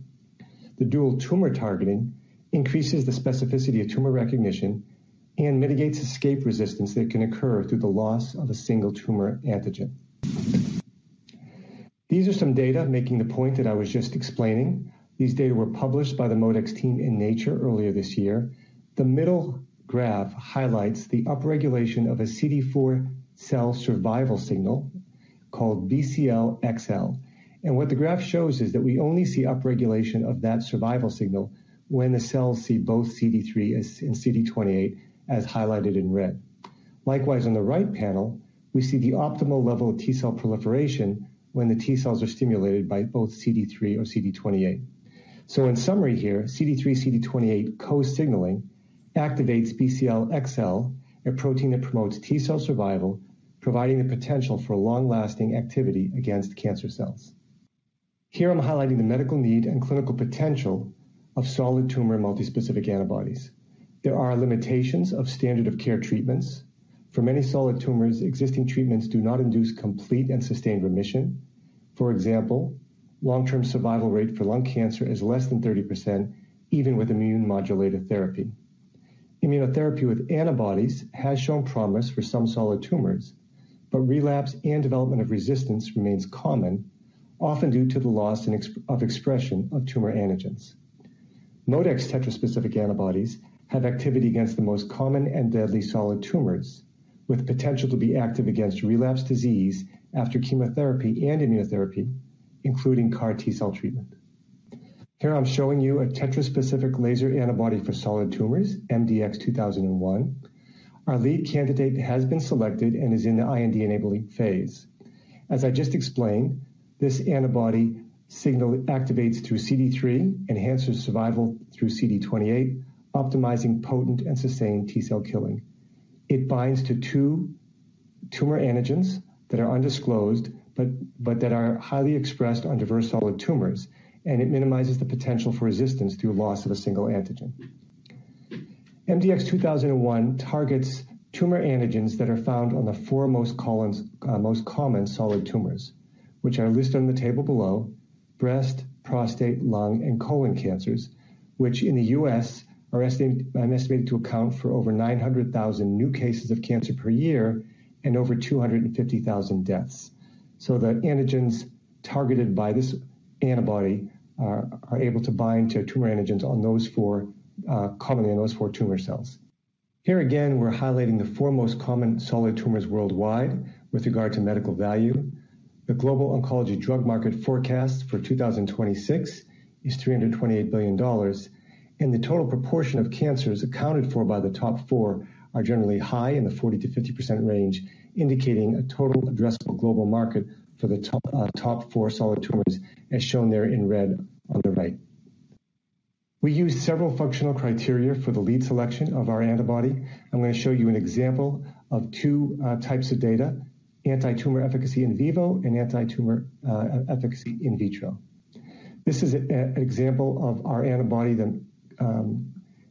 The dual tumor targeting increases the specificity of tumor recognition and mitigates escape resistance that can occur through the loss of a single tumor antigen. These are some data making the point that I was just explaining. These data were published by the ModeX team in Nature earlier this year. The middle graph highlights the upregulation of a CD4 cell survival signal called Bcl-xL. What the graph shows is that we only see upregulation of that survival signal when the cells see both CD3 as, and CD28, as highlighted in red. Likewise, on the right panel, we see the optimal level of T cell proliferation when the T cells are stimulated by both CD3 or CD28. In summary here, CD3/CD28 co-signaling activates Bcl-xL, a protein that promotes T cell survival, providing the potential for long-lasting activity against cancer cells. Here I'm highlighting the medical need and clinical potential of solid tumor multi-specific antibodies. There are limitations of standard of care treatments. For many solid tumors, existing treatments do not induce complete and sustained remission. For example, long-term survival rate for lung cancer is less than 30% even with immune modulator therapy. Immunotherapy with antibodies has shown promise for some solid tumors, but relapse and development of resistance remains common, often due to the loss and of expression of tumor antigens. ModeX tetraspecific antibodies have activity against the most common and deadly solid tumors, with potential to be active against relapsed disease after chemotherapy and immunotherapy, including CAR-T cell treatment. Here I'm showing you a tetraspecific LASER antibody for solid tumors, MDX2001. Our lead candidate has been selected and is in the IND-enabling phase. As I just explained, this antibody signal activates through CD3, enhances survival through CD28, optimizing potent and sustained T cell killing. It binds to two tumor antigens that are undisclosed, but that are highly expressed on diverse solid tumors, and it minimizes the potential for resistance through loss of a single antigen. MDX2001 targets tumor antigens that are found on the four most colons, most common solid tumors, which are listed on the table below, breast, prostate, lung, and colon cancers, which in the U.S. are estimated to account for over 900,000 new cases of cancer per year and over 250,000 deaths. The antigens targeted by this antibody are able to bind to tumor antigens on those four commonly on those four tumor cells. Here again, we're highlighting the four most common solid tumors worldwide with regard to medical value. The global oncology drug market forecast for 2026 is $328 billion, and the total proportion of cancers accounted for by the top four are generally high in the 40%-50% range, indicating a total addressable global market for the top top four solid tumors, as shown there in red on the right. We use several functional criteria for the lead selection of our antibody. I'm gonna show you an example of two types of data, antitumor efficacy in vivo and antitumor efficacy in vitro. This is a example of our antibody that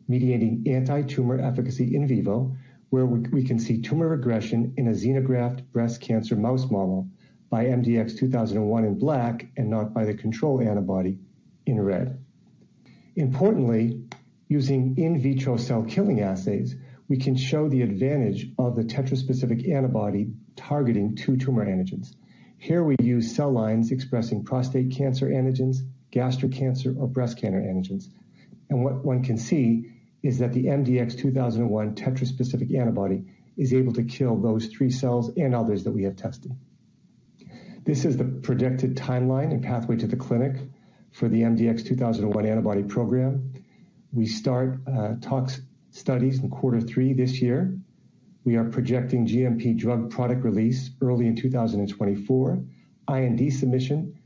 mediating antitumor efficacy in vivo, where we can see tumor regression in a xenograft breast cancer mouse model by MDX2001 in black and not by the control antibody in red. Importantly, using in vitro cell killing assays, we can show the advantage of the tetraspecific antibody targeting 2 tumor antigens. Here we use cell lines expressing prostate cancer antigens, gastric cancer, or breast cancer antigens. What one can see is that the MDX2001 tetraspecific antibody is able to kill those three cells and others that we have tested. This is the predicted timeline and pathway to the clinic for the MDX2001 antibody program. We start talks studies in Q3 this year. We are projecting GMP drug product release early in 2024, IND submission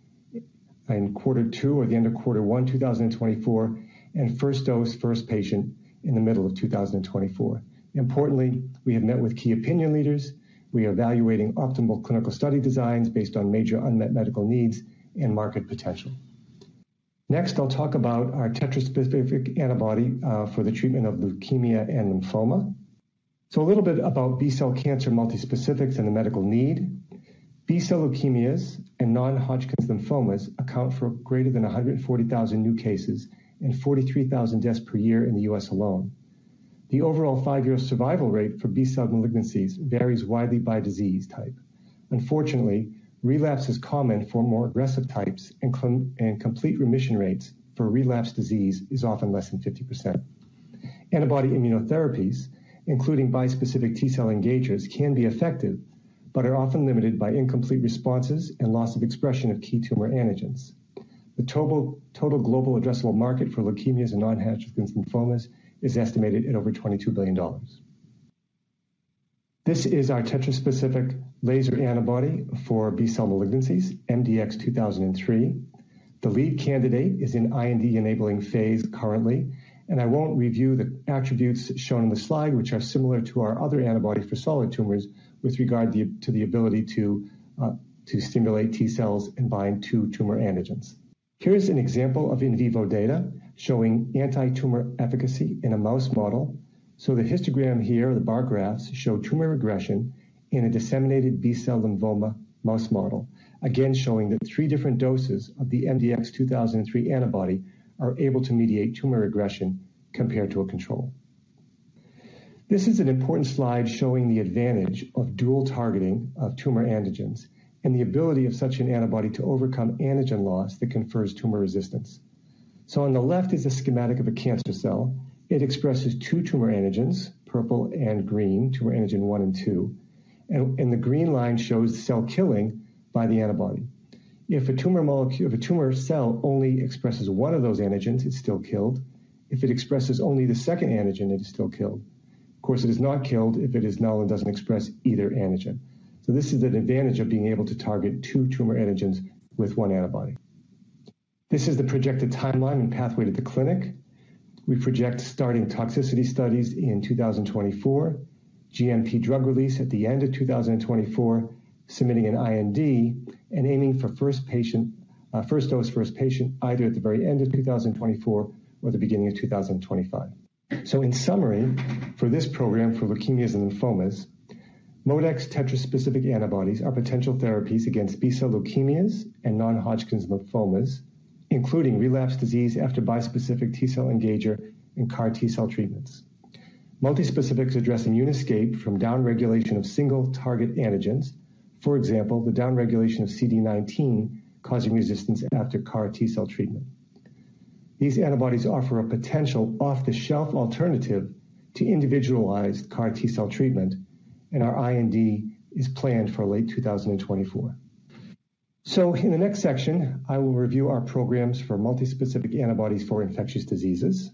in Q2 or the end of Q1 2024, and first dose, first patient in the middle of 2024. Importantly, we have met with key opinion leaders. We are evaluating optimal clinical study designs based on major unmet medical needs and market potential. I'll talk about our tetraspecific antibody for the treatment of leukemia and lymphoma. A little bit about B cell cancer multispecifics and the medical need. B cell leukemias and non-Hodgkin's lymphomas account for greater than 140,000 new cases and 43,000 deaths per year in the U.S. alone. The overall five-year survival rate for B cell malignancies varies widely by disease type. Unfortunately, relapse is common for more aggressive types and complete remission rates for relapsed disease is often less than 50%. Antibody immunotherapies, including bispecific T cell engagers, can be effective but are often limited by incomplete responses and loss of expression of key tumor antigens. The total global addressable market for leukemias and non-Hodgkin's lymphomas is estimated at over $22 billion. This is our tetraspecific LASER antibody for B cell malignancies, MDX2003. The lead candidate is in IND-enabling phase currently. I won't review the attributes shown in the slide, which are similar to our other antibody for solid tumors with regard to the ability to stimulate T cells and bind two tumor antigens. Here's an example of in vivo data showing antitumor efficacy in a mouse model. The histogram here, the bar graphs, show tumor regression in a disseminated B cell lymphoma mouse model, again, showing that three different doses of the MDX2003 antibody are able to mediate tumor regression compared to a control. This is an important slide showing the advantage of dual targeting of tumor antigens and the ability of such an antibody to overcome antigen loss that confers tumor resistance. On the left is a schematic of a cancer cell. It expresses two tumor antigens, purple and green, tumor antigen one and two. The green line shows cell killing by the antibody. If a tumor cell only expresses one of those antigens, it's still killed. If it expresses only the second antigen, it is still killed. Of course, it is not killed if it is null and doesn't express either antigen. This is an advantage of being able to target two tumor antigens with one antibody. This is the projected timeline and pathway to the clinic. We project starting toxicity studies in 2024, GMP drug release at the end of 2024, submitting an IND and aiming for first dose, first patient either at the very end of 2024 or the beginning of 2025. In summary, for this program, for leukemias and lymphomas, ModeX tetraspecific antibodies are potential therapies against B cell leukemias and non-Hodgkin's lymphomas, including relapsed disease after bispecific T cell engager and CAR-T cell treatments. Multispecifics address immune escape from downregulation of single target antigens. For example, the downregulation of CD19 causing resistance after CAR-T cell treatment. These antibodies offer a potential off-the-shelf alternative to individualized CAR-T cell treatment, and our IND is planned for late 2024. In the next section, I will review our programs for multispecific antibodies for infectious diseases.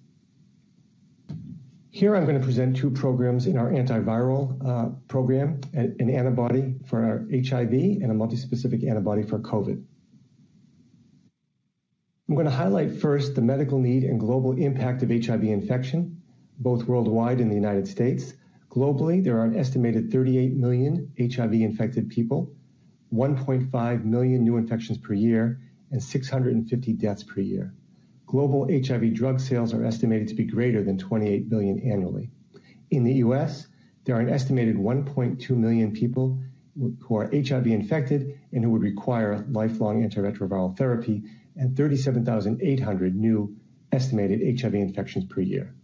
Here I'm going to present two programs in our antiviral program at an antibody for our HIV and a multispecific antibody for COVID. I'm going to highlight first the medical need and global impact of HIV infection, both worldwide and the United States. Globally, there are an estimated 38 million HIV-infected people, 1.5 million new infections per year, and 650 deaths per year. Global HIV drug sales are estimated to be greater than $28 billion annually. In the U.S., there are an estimated 1.2 million people who are HIV-infected and who would require lifelong antiretroviral therapy and 37,800 new estimated HIV infections per year.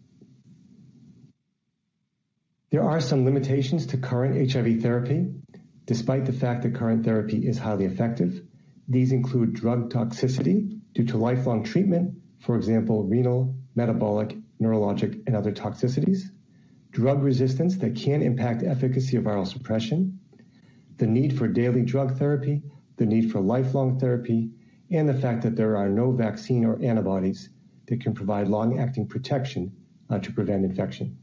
There are some limitations to current HIV therapy, despite the fact that current therapy is highly effective. These include drug toxicity due to lifelong treatment, for example, renal, metabolic, neurologic, and other toxicities. Drug resistance that can impact efficacy of viral suppression, the need for daily drug therapy, the need for lifelong therapy, and the fact that there are no vaccine or antibodies that can provide long-acting protection to prevent infection.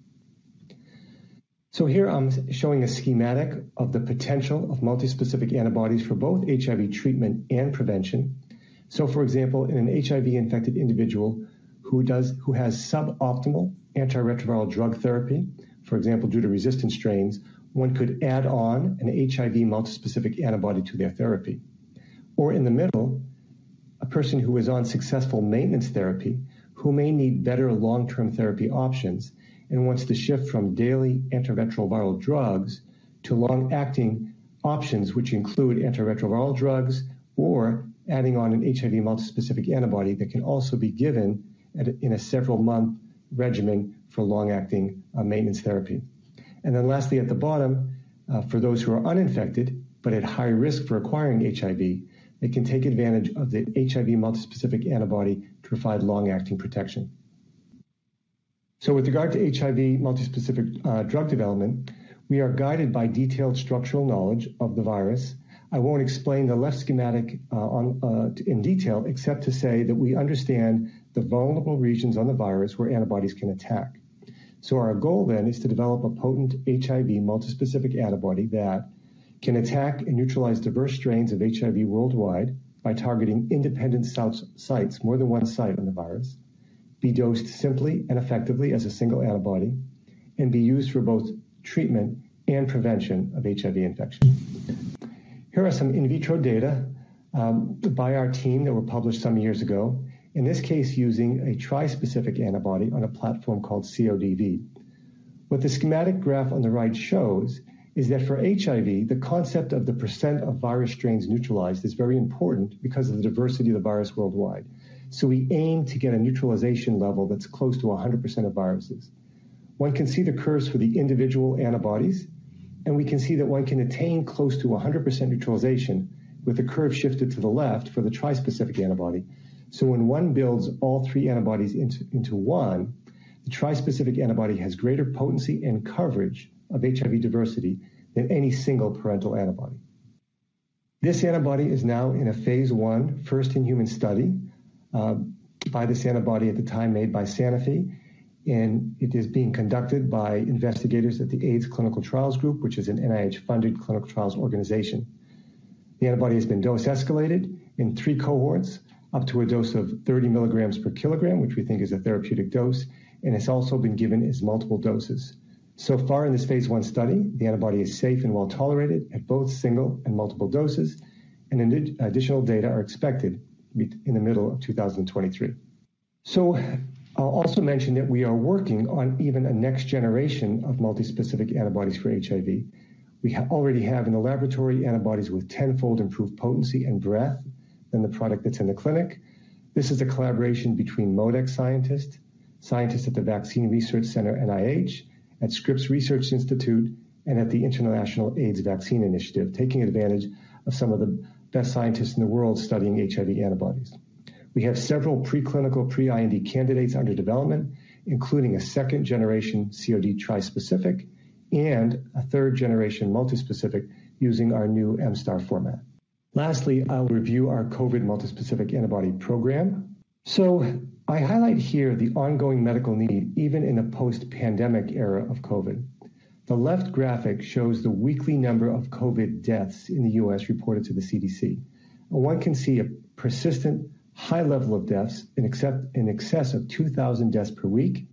Here I'm showing a schematic of the potential of multispecific antibodies for both HIV treatment and prevention. For example, in an HIV-infected individual who does. Who has suboptimal antiretroviral drug therapy, for example, due to resistant strains, one could add on an HIV multispecific antibody to their therapy. In the middle, a person who is on successful maintenance therapy who may need better long-term therapy options and wants to shift from daily antiretroviral drugs to long-acting options, which include antiretroviral drugs or adding on an HIV multispecific antibody that can also be given at a, in a several-month regimen for long-acting maintenance therapy. Lastly, at the bottom, for those who are uninfected but at high risk for acquiring HIV, they can take advantage of the HIV multispecific antibody to provide long-acting protection. With regard to HIV multispecific drug development, we are guided by detailed structural knowledge of the virus. I won't explain the left schematic in detail except to say that we understand the vulnerable regions on the virus where antibodies can attack. Our goal then is to develop a potent HIV multispecific antibody that can attack and neutralize diverse strains of HIV worldwide by targeting independent cells sites, more than one site on the virus, be dosed simply and effectively as a single antibody, and be used for both treatment and prevention of HIV infection. Here are some in vitro data by our team that were published some years ago. In this case, using a trispecific antibody on a platform called CODV. The schematic graph on the right shows is that for HIV, the concept of the % of virus strains neutralized is very important because of the diversity of the virus worldwide. We aim to get a neutralization level that's close to 100% of viruses. One can see the curves for the individual antibodies, and we can see that one can attain close to 100% neutralization with the curve shifted to the left for the tri-specific antibody. When one builds all three antibodies into one, the tri-specific antibody has greater potency and coverage of HIV diversity than any single parental antibody. This antibody is now in a phase I first in human study, by this antibody at the time made by Sanofi, and it is being conducted by investigators at the AIDS Clinical Trials Group, which is an NIH-funded clinical trials organization. The antibody has been dose escalated in three cohorts up to a dose of 30 milligrams per kilogram, which we think is a therapeutic dose, and has also been given as multiple doses. So far in this phase I study, the antibody is safe and well-tolerated at both single and multiple doses, and additional data are expected in the middle of 2023. I'll also mention that we are working on even a next generation of multispecific antibodies for HIV. We already have in the laboratory antibodies with tenfold improved potency and breadth than the product that's in the clinic. This is a collaboration between ModeX scientists at the Vaccine Research Center, NIH, at Scripps Research, and at the International AIDS Vaccine Initiative, taking advantage of some of the best scientists in the world studying HIV antibodies. We have several preclinical pre-IND candidates under development, including a second generation COVID trispecific and a third generation multispecific using our new MSTAR format. Lastly, I'll review our COVID multispecific antibody program. I highlight here the ongoing medical need even in a post-pandemic era of COVID. The left graphic shows the weekly number of COVID deaths in the U.S. reported to the CDC. One can see a persistent high level of deaths in excess of 2,000 deaths per week,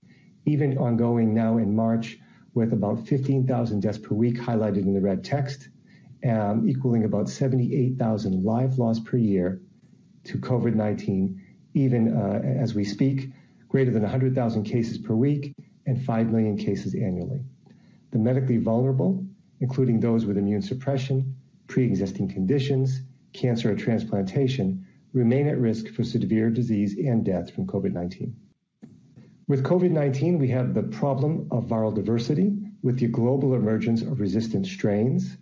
even ongoing now in March with about 15,000 deaths per week highlighted in the red text, equaling about 78,000 live loss per year to COVID-19, as we speak, greater than 100,000 cases per week and five million cases annually. The medically vulnerable, including those with immune suppression, pre-existing conditions, cancer or transplantation, remain at risk for severe disease and death from COVID-19. With COVID-19, we have the problem of viral diversity with the global emergence of resistant strains.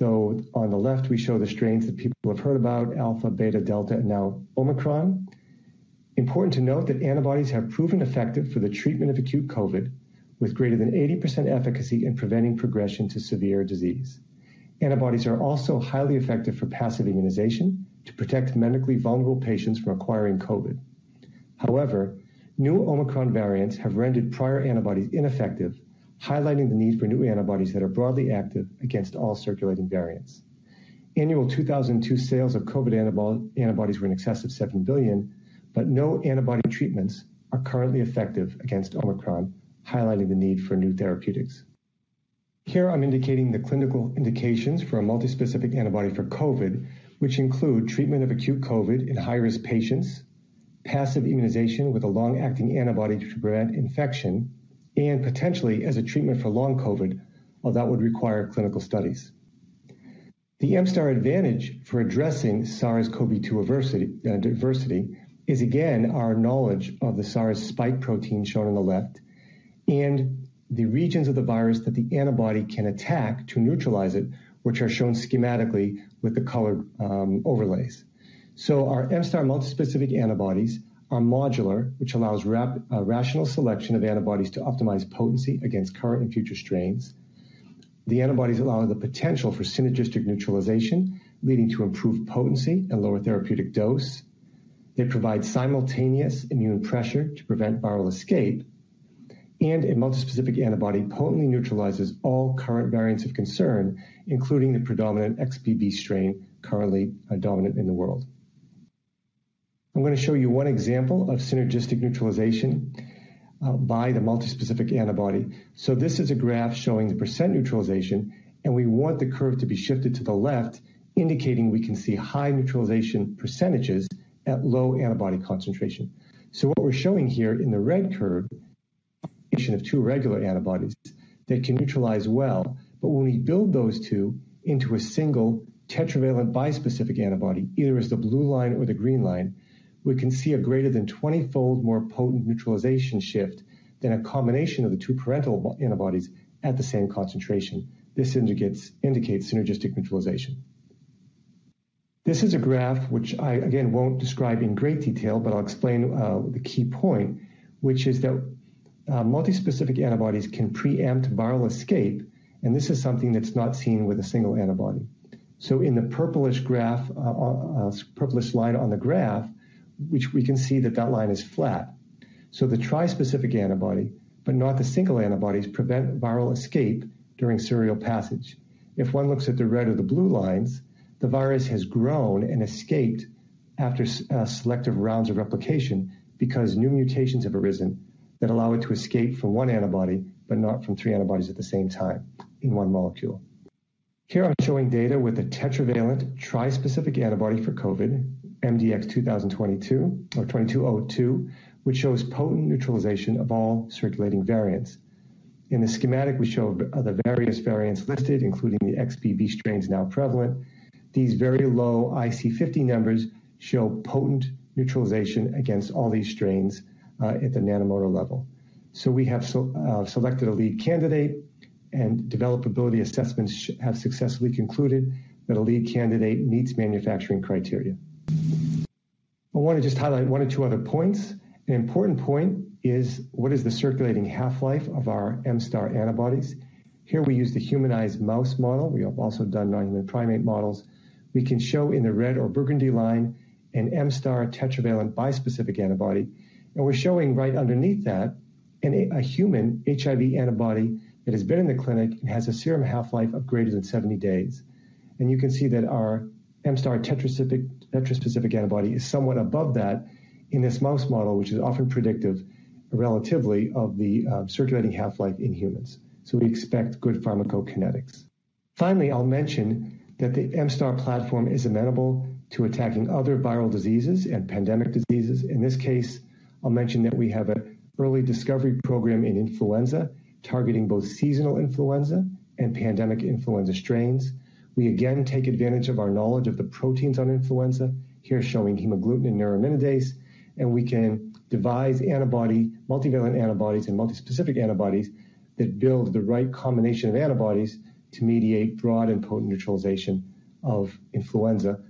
On the left, we show the strains that people have heard about, Alpha, Beta, Delta, and now Omicron. Important to note that antibodies have proven effective for the treatment of acute COVID with greater than 80% efficacy in preventing progression to severe disease. Antibodies are also highly effective for passive immunization to protect medically vulnerable patients from acquiring COVID. New Omicron variants have rendered prior antibodies ineffective, highlighting the need for new antibodies that are broadly active against all circulating variants. Annual 2002 sales of COVID antibodies were in excess of $7 billion. No antibody treatments are currently effective against Omicron, highlighting the need for new therapeutics. Here I'm indicating the clinical indications for a multispecific antibody for COVID, which include treatment of acute COVID in high-risk patients, passive immunization with a long-acting antibody to prevent infection, and potentially as a treatment for long COVID, although that would require clinical studies. The MSTAR advantage for addressing SARS-CoV-2 diversity is again our knowledge of the SARS spike protein shown on the left and the regions of the virus that the antibody can attack to neutralize it, which are shown schematically with the colored overlays. Our MSTAR multispecific antibodies are modular, which allows rational selection of antibodies to optimize potency against current and future strains. The antibodies allow the potential for synergistic neutralization, leading to improved potency and lower therapeutic dose. They provide simultaneous immune pressure to prevent viral escape. A multispecific antibody potently neutralizes all current variants of concern, including the predominant XBB strain currently dominant in the world. I'm going to show you one example of synergistic neutralization by the multispecific antibody. This is a graph showing the % neutralization. We want the curve to be shifted to the left, indicating we can see high neutralization % at low antibody concentration. What we're showing here in the red curve of two regular antibodies that can neutralize well, but when we build those two into a single tetravalent bispecific antibody, either as the blue line or the green line, we can see a greater than 20-fold more potent neutralization shift than a combination of the two parental antibodies at the same concentration. This indicates synergistic neutralization. This is a graph which I again won't describe in great detail, but I'll explain the key point, which is that multi-specific antibodies can preempt viral escape, and this is something that's not seen with a single antibody. In the purplish graph, purplish line on the graph, which we can see that that line is flat. The tri-specific antibody, but not the single antibodies, prevent viral escape during serial passage. If one looks at the red or the blue lines, the virus has grown and escaped after selective rounds of replication because new mutations have arisen that allow it to escape from one antibody, but not from three antibodies at the same time in one molecule. Here I'm showing data with a tetravalent trispecific antibody for COVID, MDX2202, which shows potent neutralization of all circulating variants. In the schematic we show the various variants listed, including the XBB strains now prevalent. These very low IC50 numbers show potent neutralization against all these strains at the nanomotor level. We have selected a lead candidate, and developability assessments have successfully concluded that a lead candidate meets manufacturing criteria. I want to just highlight one or two other points. An important point is what is the circulating half-life of our MSTAR antibodies? Here we use the humanized mouse model. We have also done non-human primate models. We can show in the red or burgundy line an MSTAR tetravalent bispecific antibody, we're showing right underneath that a human HIV antibody that has been in the clinic and has a serum half-life of greater than 70 days. You can see that our MSTAR tetraspecific antibody is somewhat above that in this mouse model, which is often predictive relatively of the circulating half-life in humans. We expect good pharmacokinetics. Finally, I'll mention that the MSTAR platform is amenable to attacking other viral diseases and pandemic diseases. In this case, I'll mention that we have an early discovery program in influenza, targeting both seasonal influenza and pandemic influenza strains. We again take advantage of our knowledge of the proteins on influenza here showing hemagglutinin neuraminidase. We can devise antibody, multivalent antibodies and multispecific antibodies that build the right combination of antibodies to mediate broad and potent neutralization of influenza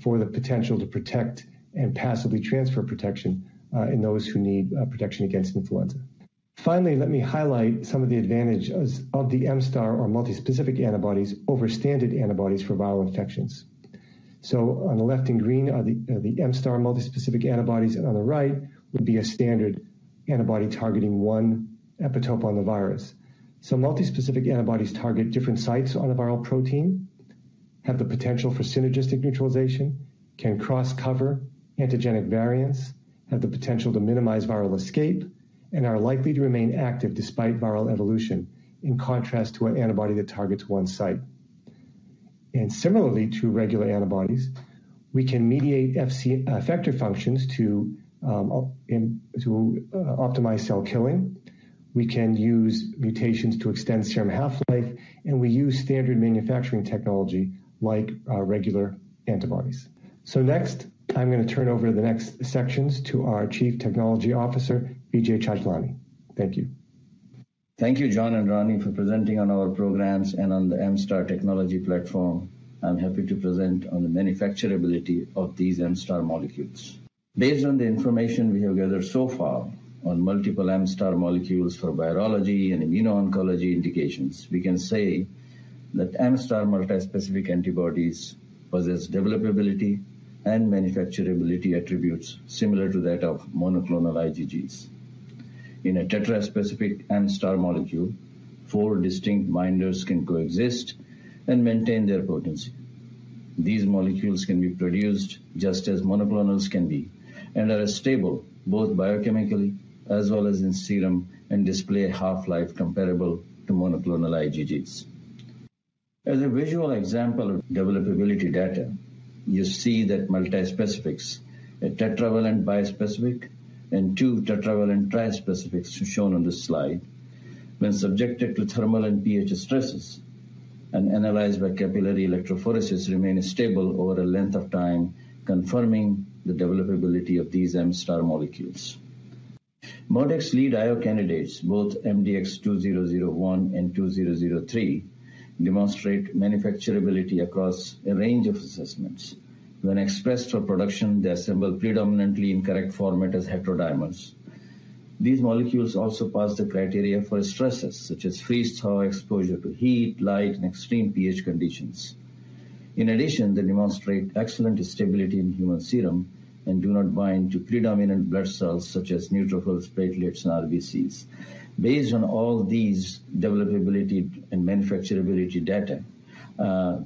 for the potential to protect and passively transfer protection in those who need protection against influenza. Finally, let me highlight some of the advantages of the MSTAR or multispecific antibodies over standard antibodies for viral infections. On the left in green are the MSTAR multispecific antibodies, and on the right would be a standard antibody targeting one epitope on the virus. Multispecific antibodies target different sites on a viral protein, have the potential for synergistic neutralization, can cross cover antigenic variants, have the potential to minimize viral escape, and are likely to remain active despite viral evolution, in contrast to an antibody that targets one site. Similarly to regular antibodies, we can mediate Fc effector functions to optimize cell killing. We can use mutations to extend serum half-life, and we use standard manufacturing technology like our regular antibodies. Next, I'm going to turn over the next sections to our Chief Technology Officer, Vijay Chhajlani. Thank you. Thank you, John and Ronnie, for presenting on our programs and on the MSTAR technology platform. I'm happy to present on the manufacturability of these MSTAR molecules. Based on the information we have gathered so far on multiple MSTAR molecules for virology and immuno-oncology indications, we can say that MSTAR multispecific antibodies possess developability and manufacturability attributes similar to that of monoclonal IgGs. In a tetraspecific MSTAR molecule, four distinct binders can coexist and maintain their potency. These molecules can be produced just as monoclonals can be, and are stable both biochemically as well as in serum, and display half-life comparable to monoclonal IgGs. As a visual example of developability data, you see that multispecifics, a tetravalent bispecific and two tetravalent trispecifics shown on this slide, when subjected to thermal and pH stresses and analyzed by capillary electrophoresis, remain stable over a length of time, confirming the developability of these MSTAR molecules. ModeX lead IO candidates, both MDX2001 and MDX2003, demonstrate manufacturability across a range of assessments. When expressed for production, they assemble predominantly in correct format as heterodimers. These molecules also pass the criteria for stresses such as freeze-thaw, exposure to heat, light, and extreme pH conditions. In addition, they demonstrate excellent stability in human serum and do not bind to predominant blood cells such as neutrophils, platelets, and RBCs. Based on all these developability and manufacturability data,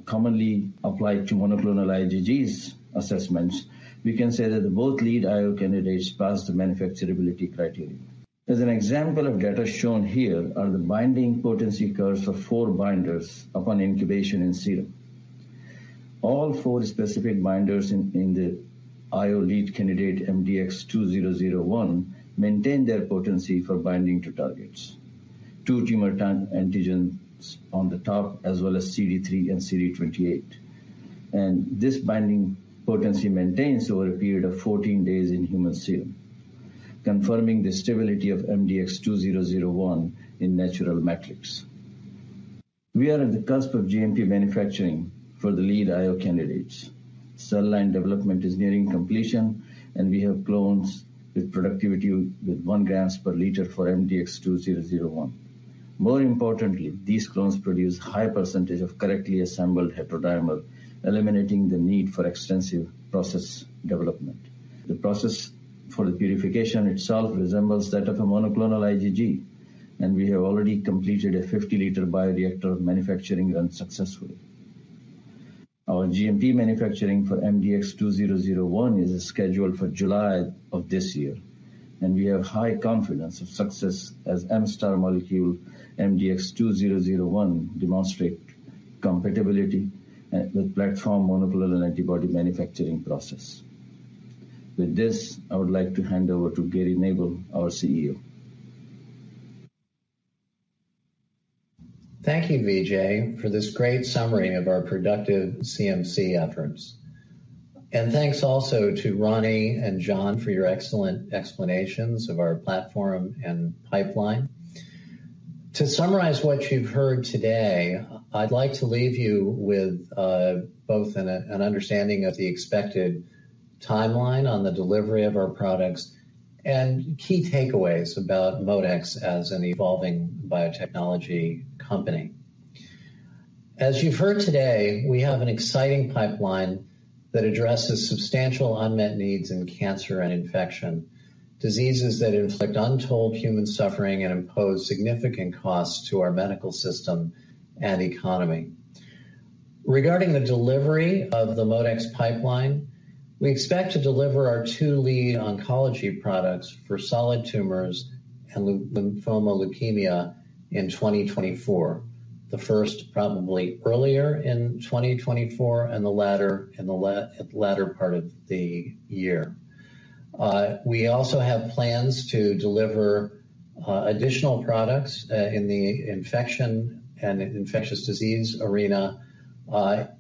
commonly applied to monoclonal IgGs assessments, we can say that both lead IO candidates pass the manufacturability criteria. As an example of data shown here are the binding potency curves for four binders upon incubation in serum. All four specific binders in the IO lead candidate MDX2001 maintain their potency for binding to targets. Two tumor ton antigens on the top as well as CD3 and CD28. This binding potency maintains over a period of 14 days in human serum, confirming the stability of MDX2001 in natural metrics. We are on the cusp of GMP manufacturing for the lead IO candidates. Cell line development is nearing completion, we have clones with productivity with one gram per liter for MDX2001. More importantly, these clones produce high percentage of correctly assembled heterodimer, eliminating the need for extensive process development. The process for the purification itself resembles that of a monoclonal IgG, and we have already completed a 50-liter bioreactor of manufacturing run successfully. Our GMP manufacturing for MDX2001 is scheduled for July of this year, and we have high confidence of success as MSTAR molecule MDX2001 demonstrate compatibility with platform monoclonal antibody manufacturing process. With this, I would like to hand over to Gary Nabel, our CEO. Thank you, Vijay, for this great summary of our productive CMC efforts. Thanks also to Ronnie and John for your excellent explanations of our platform and pipeline. To summarize what you've heard today, I'd like to leave you with both an understanding of the expected timeline on the delivery of our products and key takeaways about ModeX as an evolving biotechnology company. As you've heard today, we have an exciting pipeline that addresses substantial unmet needs in cancer and infection, diseases that inflict untold human suffering and impose significant costs to our medical system and economy. Regarding the delivery of the ModeX pipeline, we expect to deliver our two lead oncology products for solid tumors and lymphoma leukemia in 2024. The first probably earlier in 2024 and the latter in the latter part of the year. We also have plans to deliver additional products in the infection and infectious disease arena,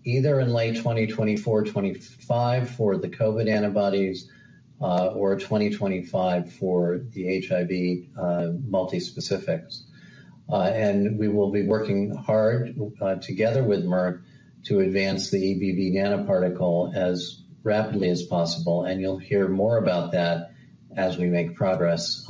either in late 2024, 2025 for the COVID antibodies, or 2025 for the HIV multispecifics. And we will be working hard together with Merck to advance the EBV nanoparticle as rapidly as possible, and you'll hear more about that as we make progress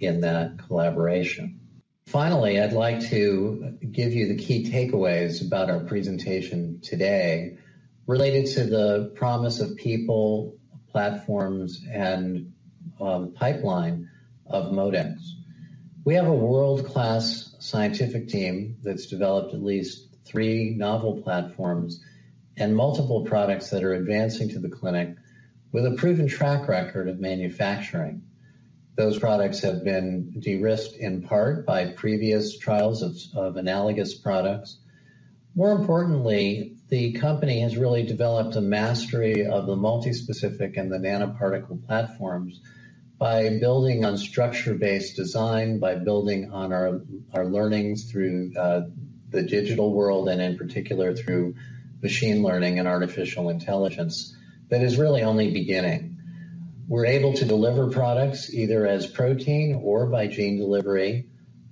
in that collaboration. Finally, I'd like to give you the key takeaways about our presentation today related to the promise of people, platforms, and pipeline of ModeX. We have a world-class scientific team that's developed at least three novel platforms and multiple products that are advancing to the clinic with a proven track record of manufacturing. Those products have been de-risked in part by previous trials of analogous products. More importantly, the company has really developed a mastery of the multispecific and the nanoparticle platforms by building on structure-based design, by building on our learnings through the digital world, and in particular through machine learning and artificial intelligence, that is really only beginning. We're able to deliver products either as protein or by gene delivery,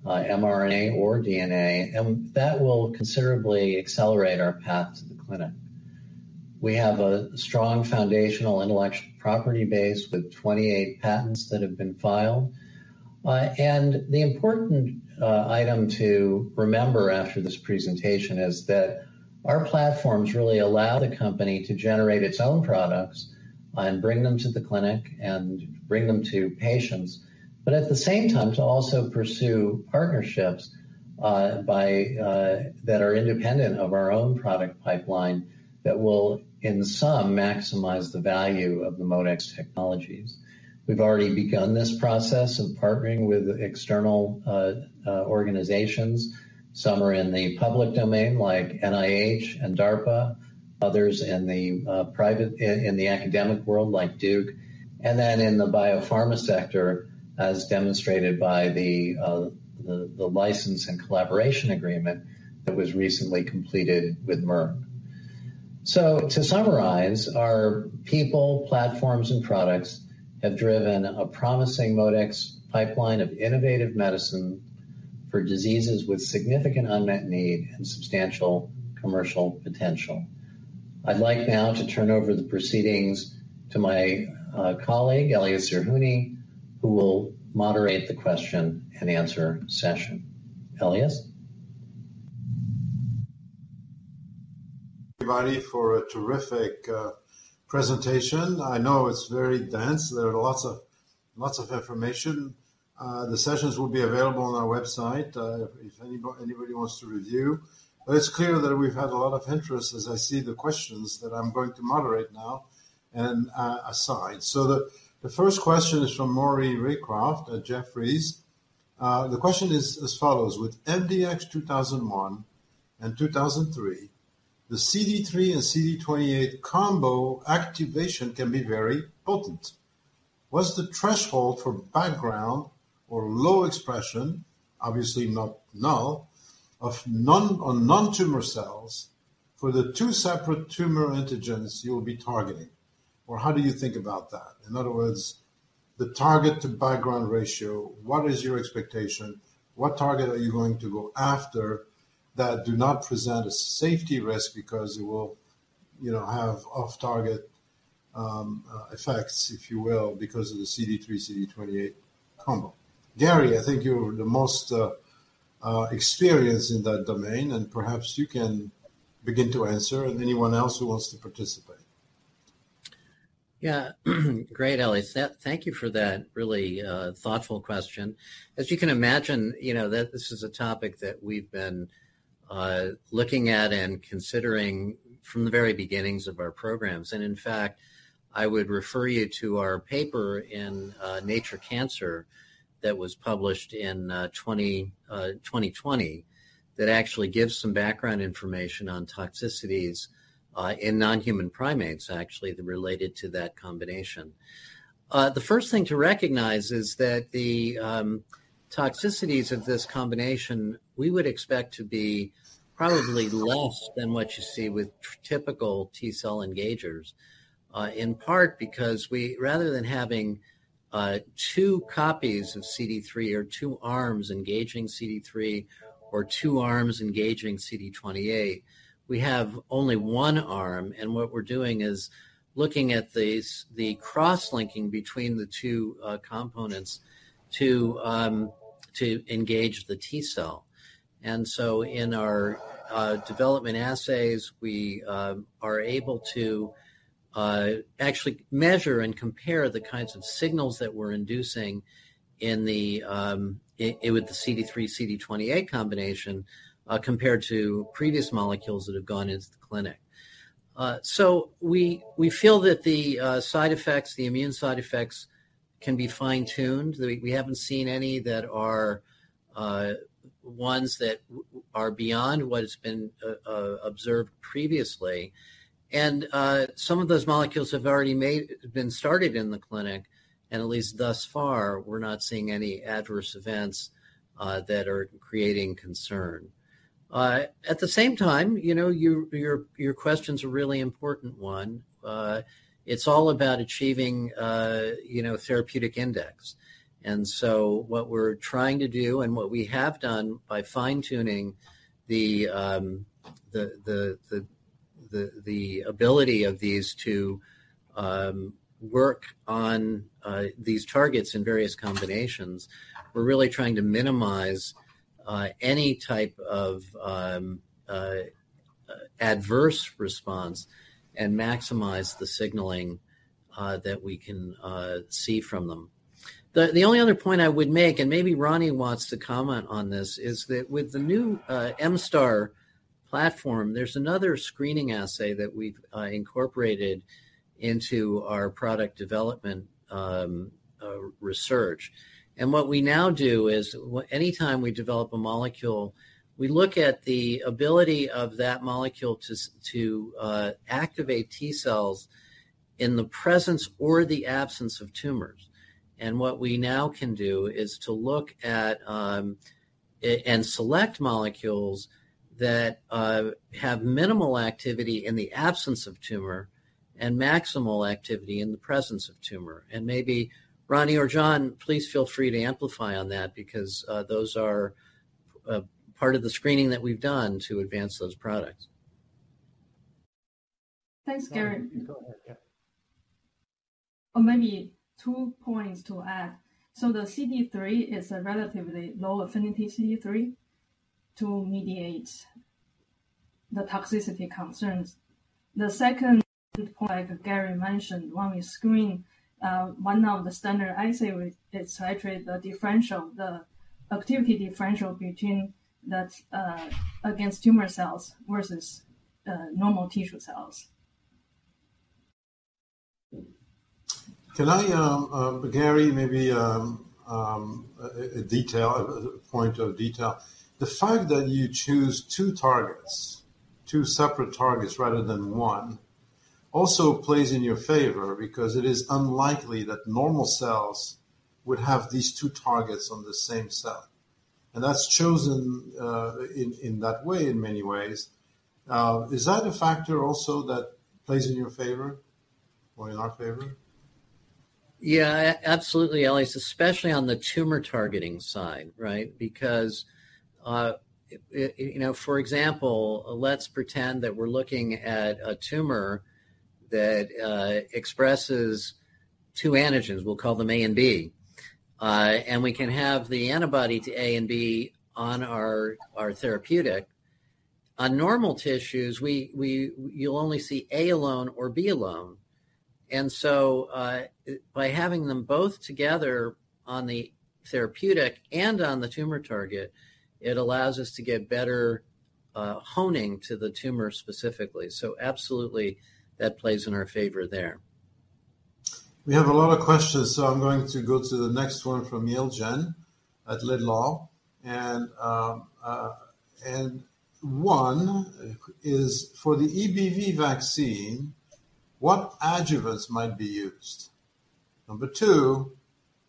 mRNA or DNA, and that will considerably accelerate our path to the clinic. We have a strong foundational intellectual property base with 28 patents that have been filed. The important item to remember after this presentation is that our platforms really allow the company to generate its own products and bring them to the clinic and bring them to patients. At the same time, to also pursue partnerships, by that are independent of our own product pipeline that will, in sum, maximize the value of the ModeX technologies. We've already begun this process of partnering with external organizations. Some are in the public domain like NIH and DARPA, others in the academic world like Duke, then in the biopharma sector as demonstrated by the license and collaboration agreement that was recently completed with Merck. To summarize, our people, platforms, and products have driven a promising ModeX pipeline of innovative medicine for diseases with significant unmet need and substantial commercial potential. I'd like now to turn over the proceedings to my colleague, Elias Zerhouni, who will moderate the question-and-answer session. Elias? Everybody for a terrific presentation. I know it's very dense. There are lots of information. The sessions will be available on our website, if anybody wants to review. It's clear that we've had a lot of interest as I see the questions that I'm going to moderate now and aside. The first question is from Maury Raycroft at Jefferies. The question is as follows: With MDX2001 and MDX2003, the CD3 and CD28 combo activation can be very potent. What's the threshold for background or low expression, obviously not null, on non-tumor cells for the two separate tumor antigens you will be targeting? How do you think about that? In other words, the target to background ratio, what is your expectation? What target are you going to go after that do not present a safety risk because it will, you know, have off-target effects, if you will, because of the CD3/CD28 combo? Gary, I think you're the most experienced in that domain, and perhaps you can begin to answer and anyone else who wants to participate. Yeah. Great, Elias. Thank you for that really thoughtful question. As you can imagine, you know, this is a topic that we've been looking at and considering from the very beginnings of our programs. In fact, I would refer you to our paper in Nature Cancer that was published in 2020 that actually gives some background information on toxicities in non-human primates, actually, related to that combination. The first thing to recognize is that the toxicities of this combination, we would expect to be probably less than what you see with typical T cell engagers, in part because rather than having two copies of CD3 or two arms engaging CD3 or two arms engaging CD28, we have only one arm. What we're doing is looking at the cross-linking between the two components to engage the T cell. In our development assays, we are able to actually measure and compare the kinds of signals that we're inducing in the with the CD3/CD28 combination compared to previous molecules that have gone into the clinic. We feel that the side effects, the immune side effects can be fine-tuned. We haven't seen any that are ones that are beyond what has been observed previously. Some of those molecules have already been started in the clinic, and at least thus far, we're not seeing any adverse events that are creating concern. At the same time, you know, your question's a really important one. It's all about achieving, you know, therapeutic index. What we're trying to do and what we have done by fine-tuning the ability of these to work on these targets in various combinations, we're really trying to minimize any type of adverse response and maximize the signaling that we can see from them. The only other point I would make, and maybe Ronnie wants to comment on this, is that with the new MSTAR platform, there's another screening assay that we've incorporated into our product development research. What we now do is anytime we develop a molecule, we look at the ability of that molecule to activate T cells in the presence or the absence of tumors. What we now can do is to look at, and select molecules that have minimal activity in the absence of tumor and maximal activity in the presence of tumor. Maybe Ronnie or John, please feel free to amplify on that because those are part of the screening that we've done to advance those products. Thanks, Gary. No, you go ahead. Yeah. Maybe two points to add. The CD3 is a relatively low affinity CD3 to mediate the toxicity concerns. The second point, like Gary mentioned, when we screen, one of the standard assay, we iterate the activity differential between that's against tumor cells versus normal tissue cells. Can I, Gary, maybe a point of detail? The fact that you choose two targets, two separate targets rather than one, also plays in your favor because it is unlikely that normal cells would have these two targets on the same cell. That's chosen in that way, in many ways. Is that a factor also that plays in your favor or in our favor? Yeah, absolutely, Elias, especially on the tumor targeting side, right? you know, for example, let's pretend that we're looking at a tumor that expresses two antigens, we'll call them A and B, and we can have the antibody to A and B on our therapeutic. On normal tissues, you'll only see A alone or B alone. by having them both together on the therapeutic and on the tumor target, it allows us to get better honing to the tumor specifically. absolutely that plays in our favor there. We have a lot of questions, so I'm going to go to the next one from Yale Jen at Laidlaw & Company. One is for the EBV vaccine, what adjuvants might be used? Number two,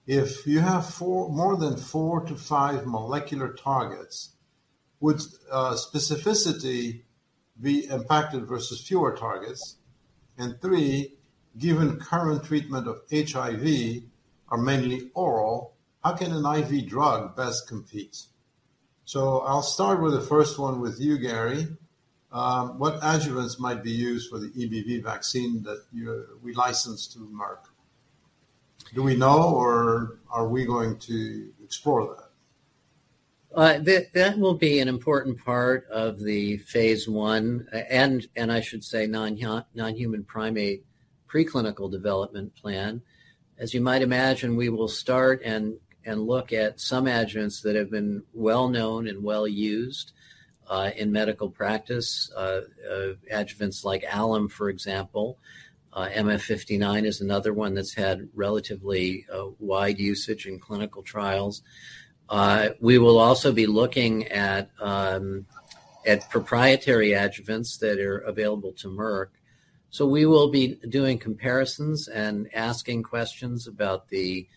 if you have more than four to five molecular targets, would specificity be impacted versus fewer targets? Three, given current treatment of HIV are mainly oral, how can an IV drug best compete? I'll start with the first one with you, Gary. What adjuvants might be used for the EBV vaccine that we licensed to Merck? Do we know, or are we going to explore that? That will be an important part of the phase I, and I should say non-human primate preclinical development plan. As you might imagine, we will start and look at some adjuvants that have been well known and well used in medical practice. Adjuvants like alum, for example. MF59 is another one that's had relatively wide usage in clinical trials. We will also be looking at proprietary adjuvants that are available to Merck. We will be doing comparisons and asking questions about the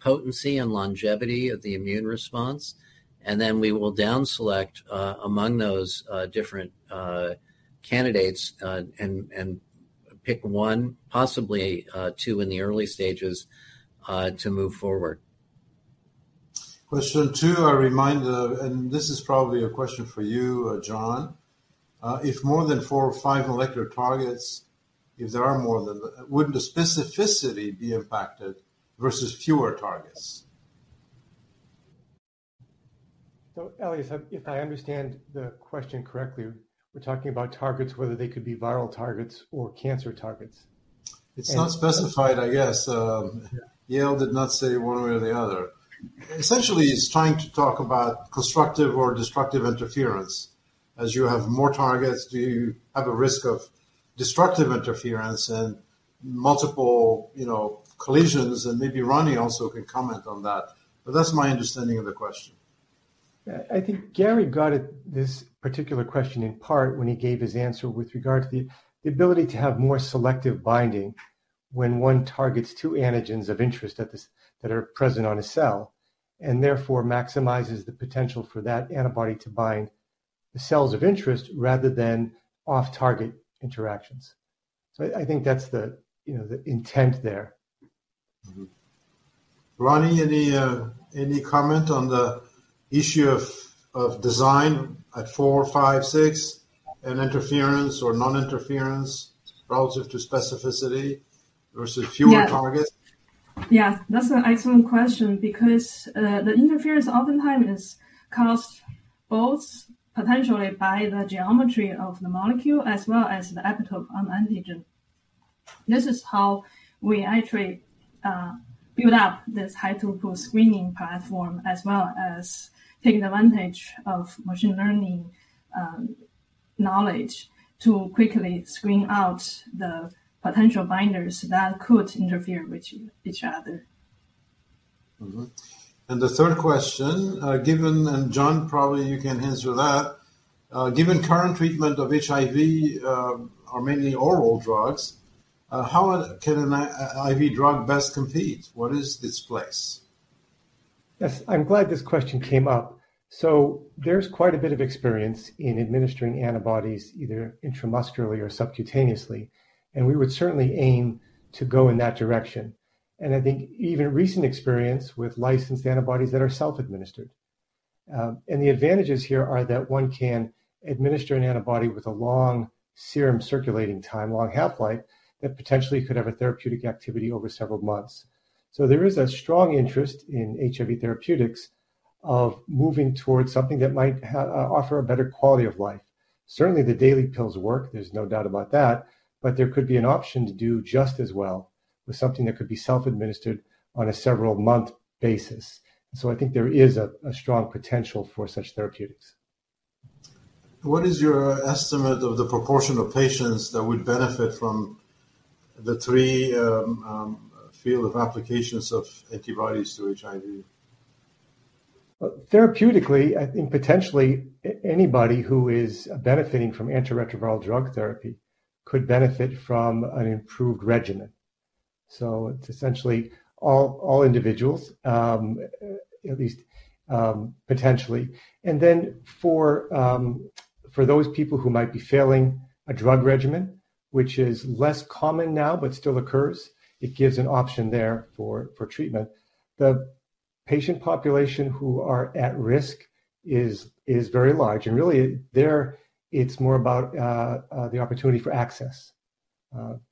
potency and longevity of the immune response, and then we will down select among those different candidates, and pick one, possibly two in the early stages to move forward. Question two, a reminder, and this is probably a question for you, John. If more than four or five molecular targets, if there are more than that, wouldn't the specificity be impacted versus fewer targets? Elias, if I understand the question correctly, we're talking about targets, whether they could be viral targets or cancer targets. It's not specified, I guess. Yale did not say one way or the other. Essentially, he's trying to talk about constructive or destructive interference. As you have more targets, do you have a risk of destructive interference and multiple, you know, collisions, and maybe Ronnie also can comment on that. That's my understanding of the question. Yeah. I think Gary got at this particular question in part when he gave his answer with regard to the ability to have more selective binding when one targets two antigens of interest that are present on a cell, and therefore maximizes the potential for that antibody to bind the cells of interest rather than off-target interactions. I think that's the, you know, the intent there. Ronnie, any comment on the issue of design at four, five, six and interference or non-interference relative to specificity versus fewer targets? Yeah. That's an excellent question because the interference oftentimes is caused both potentially by the geometry of the molecule as well as the epitope on antigen. This is how we actually build up this high throughput screening platform, as well as taking advantage of machine learning knowledge to quickly screen out the potential binders that could interfere with each other. The third question, John, probably you can answer that. Given current treatment of HIV, are mainly oral drugs, how can an IV drug best compete? What is its place? Yes. I'm glad this question came up. There's quite a bit of experience in administering antibodies either intramuscularly or subcutaneously, and we would certainly aim to go in that direction. I think even recent experience with licensed antibodies that are self-administered. The advantages here are that one can administer an antibody with a long serum circulating time, long half-life, that potentially could have a therapeutic activity over several months. There is a strong interest in HIV therapeutics of moving towards something that might offer a better quality of life. Certainly, the daily pills work, there's no doubt about that, but there could be an option to do just as well with something that could be self-administered on a several-month basis. I think there is a strong potential for such therapeutics. What is your estimate of the proportion of patients that would benefit from the three field of applications of antibodies to HIV? Therapeutically, I think potentially anybody who is benefiting from antiretroviral drug therapy could benefit from an improved regimen. It's essentially all individuals, at least potentially. For those people who might be failing a drug regimen, which is less common now but still occurs, it gives an option there for treatment. The patient population who are at risk is very large, and really there it's more about the opportunity for access.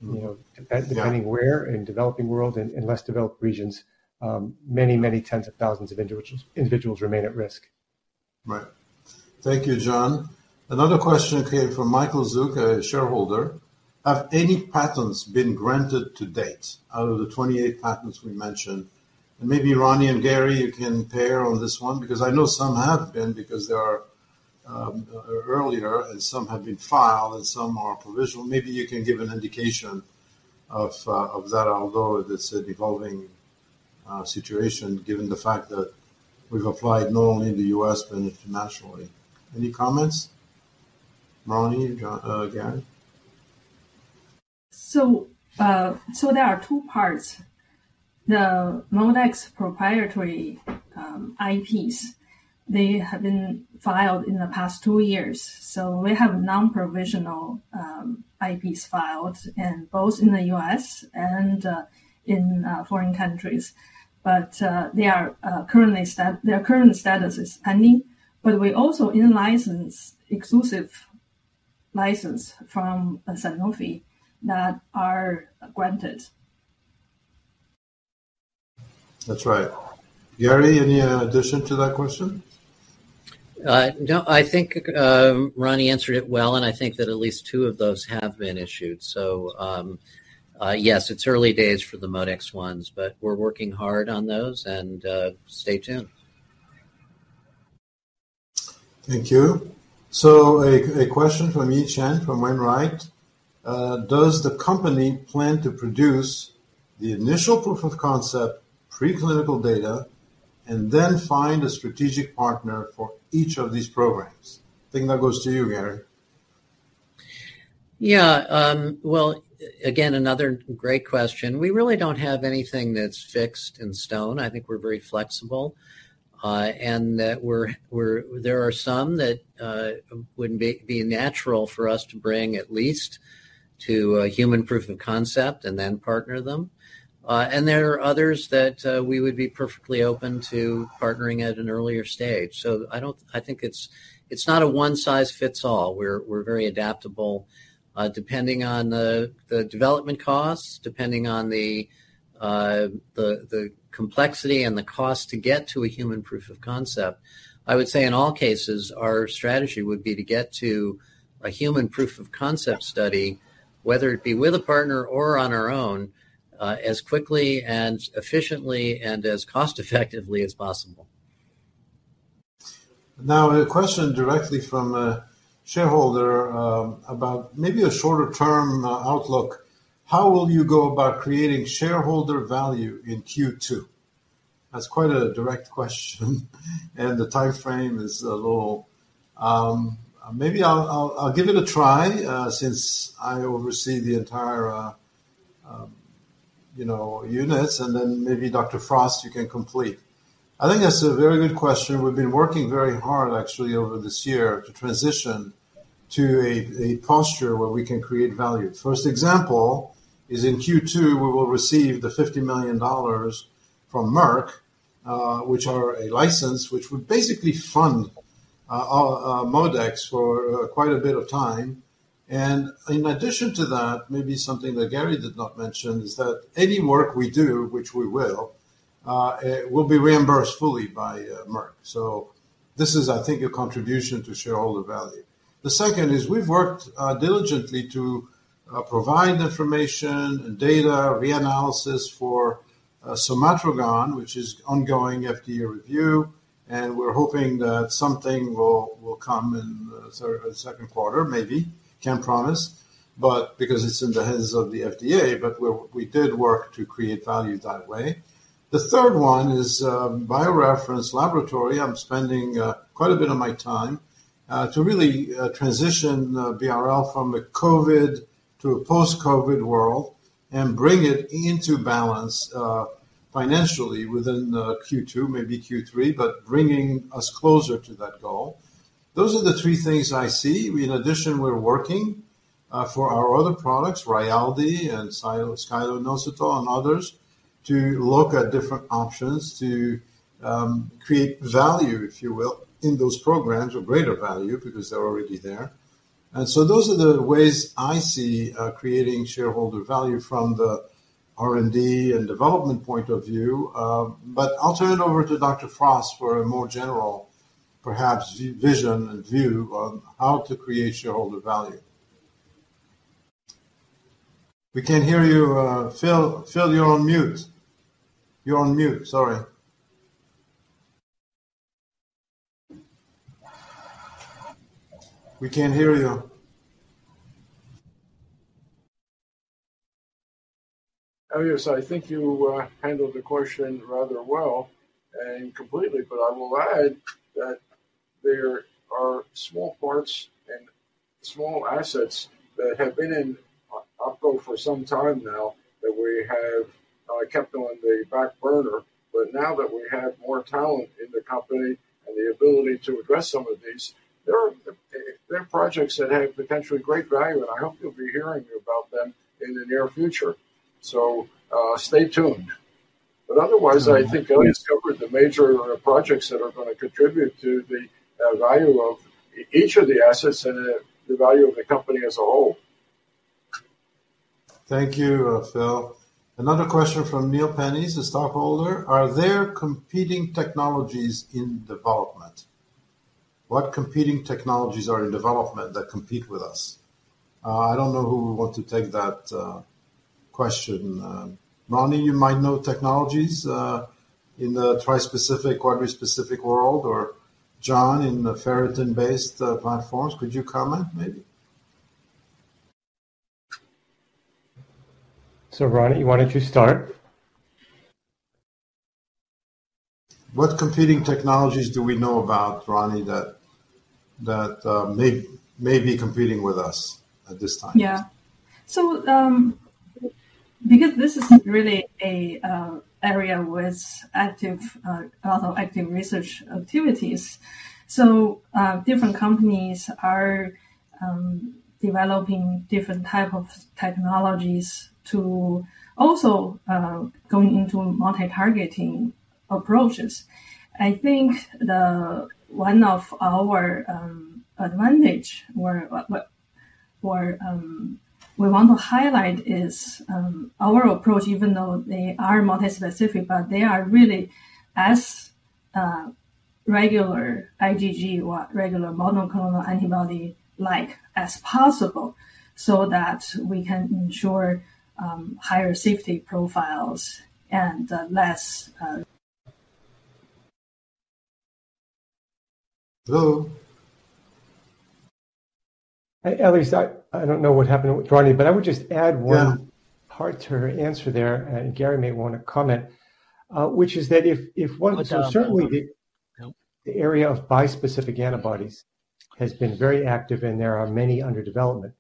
You know. Depending where in developing world, in less developed regions, many tens of thousands of individuals remain at risk. Right. Thank you, John. Another question came from Michael Zuk, a shareholder. Have any patents been granted to date out of the 28 patents we mentioned? Maybe Ronnie and Gary, you can pair on this one, because I know some have been because there are earlier and some have been filed and some are provisional. Maybe you can give an indication of that, although it is a evolving situation given the fact that we've applied not only in the U.S. but internationally. Any comments? Ronnie, Gary. There are two parts. The ModeX proprietary IPs, they have been filed in the past two years. We have non-provisional IPs filed in both in the U.S. and in foreign countries. Their current status is pending, but we also in-license exclusive license from Sanofi that are granted. That's right. Gary, any addition to that question? No. I think Ronnie answered it well, and I think that at least two of those have been issued. Yes, it's early days for the ModeX ones, but we're working hard on those and stay tuned. Thank you. A question from Yi Chen from Wainwright. Does the company plan to produce the initial proof of concept pre-clinical data and then find a strategic partner for each of these programs? I think that goes to you, Gary. Yeah. Well, again, another great question. We really don't have anything that's fixed in stone. I think we're very flexible, and that we're there are some that would be natural for us to bring at least to a human proof of concept and then partner them. And there are others that we would be perfectly open to partnering at an earlier stage. I think it's not a one-size-fits-all. We're very adaptable, depending on the development costs, depending on the complexity and the cost to get to a human proof of concept. I would say in all cases, our strategy would be to get to a human proof of concept study, whether it be with a partner or on our own, as quickly and efficiently and as cost-effectively as possible. Now, a question directly from a shareholder about maybe a shorter term outlook. How will you go about creating shareholder value in Q2? That's quite a direct question. The timeframe is a little. Maybe I'll give it a try since I oversee the entire, you know, units. Then maybe Dr. Frost, you can complete. I think that's a very good question. We've been working very hard actually over this year to transition to a posture where we can create value. First example is in Q2, we will receive the $50 million from Merck, which are a license, which would basically fund our ModeX for quite a bit of time. In addition to that, maybe something that Gary did not mention, is that any work we do, which we will, it will be reimbursed fully by Merck. This is, I think, a contribution to shareholder value. The second is we've worked diligently to provide information and data reanalysis for somatrogon, which is ongoing FDA review, and we're hoping that something will come in the second quarter, maybe. Can't promise, but because it's in the hands of the FDA, we did work to create value that way. The third one is BioReference Laboratories. I'm spending quite a bit of my time to really transition BRL from a COVID to a post-COVID world and bring it into balance financially within Q2, maybe Q3, but bringing us closer to that goal. Those are the three things I see. In addition, we're working for our other products, Rayaldee and scyllo-inositol and others, to look at different options to create value, if you will, in those programs, or greater value because they're already there. Those are the ways I see creating shareholder value from the R&D and development point of view. I'll turn it over to Dr. Phillip Frost for a more general, perhaps vision and view on how to create shareholder value. We can't hear you, Phillip Frost. Phillip Frost, you're on mute. You're on mute. Sorry. We can't hear you. Oh, yes. I think you handled the question rather well and completely, but I will add that there are small parts and small assets that have been in OPKO for some time now that we have kept on the back burner. Now that we have more talent in the company and the ability to address some of these, there are projects that have potentially great value, and I hope you'll be hearing about them in the near future. Stay tuned. Otherwise, I think Elias covered the major projects that are gonna contribute to the value of each of the assets and the value of the company as a whole. Thank you, Phil. Another question from Neil Pennies, a stockholder. Are there competing technologies in development? What competing technologies are in development that compete with us? I don't know who would want to take that question. Ronnie, you might know technologies in the tri-specific, quadri-specific world, or John in the ferritin-based platforms. Could you comment maybe? Ronnie, why don't you start? What competing technologies do we know about, Ronnie, that may be competing with us at this time? Yeah. Because this is really a area with active a lot of active research activities. Different companies are developing different type of technologies to also going into multi-targeting approaches. One of our advantage or what we want to highlight is our approach, even though they are multi-specific, but they are really as regular IgG or regular monoclonal antibody, like, as possible so that we can ensure higher safety profiles and less. Hello? Elias, I don't know what happened with Ronnie part to her answer there, and Gary may wanna comment, which is that if the area of bispecific antibodies has been very active, and there are many under development.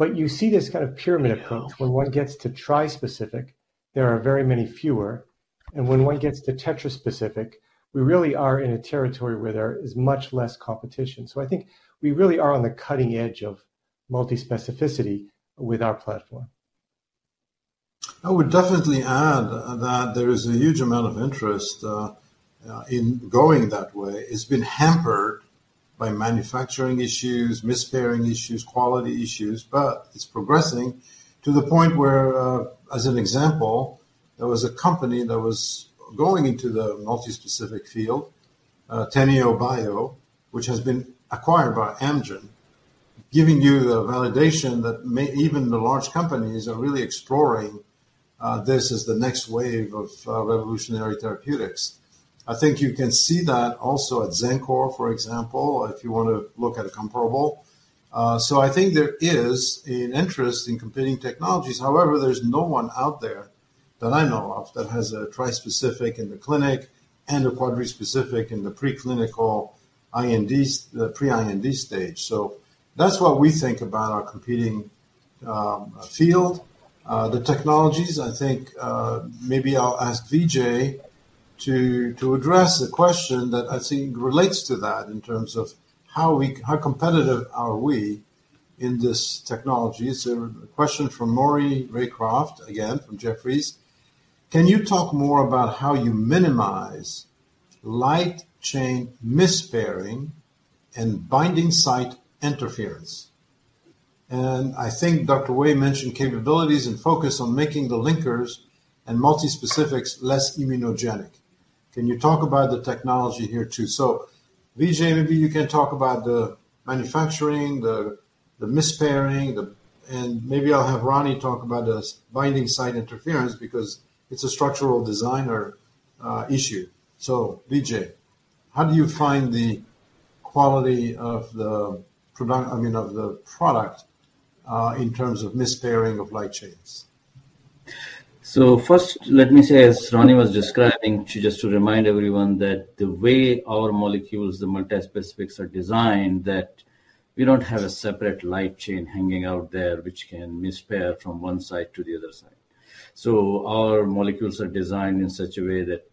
You see this kind of pyramid effect where one gets to trispecific, there are very many fewer. When one gets to tetraspecific, we really are in a territory where there is much less competition. I think we really are on the cutting edge of multi-specificity with our platform. I would definitely add that there is a huge amount of interest in going that way. It's been hampered by manufacturing issues, mispairing issues, quality issues, but it's progressing to the point where, as an example, there was a company that was going into the multi-specific field, TeneoBio, which has been acquired by Amgen, giving you the validation that even the large companies are really exploring this as the next wave of revolutionary therapeutics. I think you can see that also at Xencor, for example, if you want to look at a comparable. I think there is an interest in competing technologies. However, there's no one out there that I know of that has a tri-specific in the clinic and a quadrispecific in the preclinical IND pre-IND stage. That's what we think about our competing field. The technologies, I think, maybe I'll ask Vijay to address the question that I think relates to that in terms of how competitive are we in this technology. A question from Maury Raycroft, again from Jefferies. Can you talk more about how you minimize light chain mispairing and binding site interference? I think Dr. Wei mentioned capabilities and focus on making the linkers and multi-specifics less immunogenic. Can you talk about the technology here too? Vijay, maybe you can talk about the manufacturing, the mispairing. Maybe I'll have Ronnie talk about the binding site interference because it's a structural designer issue. Vijay, how do you find the quality of the product, I mean, in terms of mispairing of light chains? First let me say, as Ronnie was describing, she just to remind everyone that the way our molecules, the multispecifics are designed, that we don't have a separate light chain hanging out there which can mispair from one site to the other site. Our molecules are designed in such a way that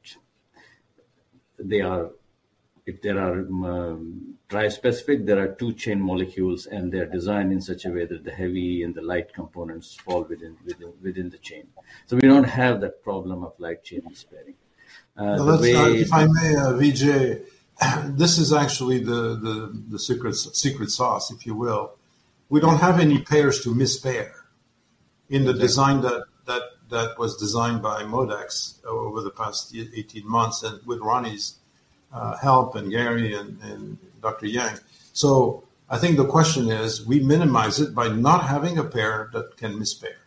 they are. If there are trispecific, there are two chain molecules, and they're designed in such a way that the heavy and the light components fall within the chain. We don't have that problem of light chain mispairing. Now let's talk, if I may, Vijay, this is actually the secret sauce, if you will. We don't have any pairs to mispair in the design that was designed by ModeX over the past 18 months, and with Ronnie's help and Gary and Dr. Yang. I think the question is, we minimize it by not having a pair that can mispair.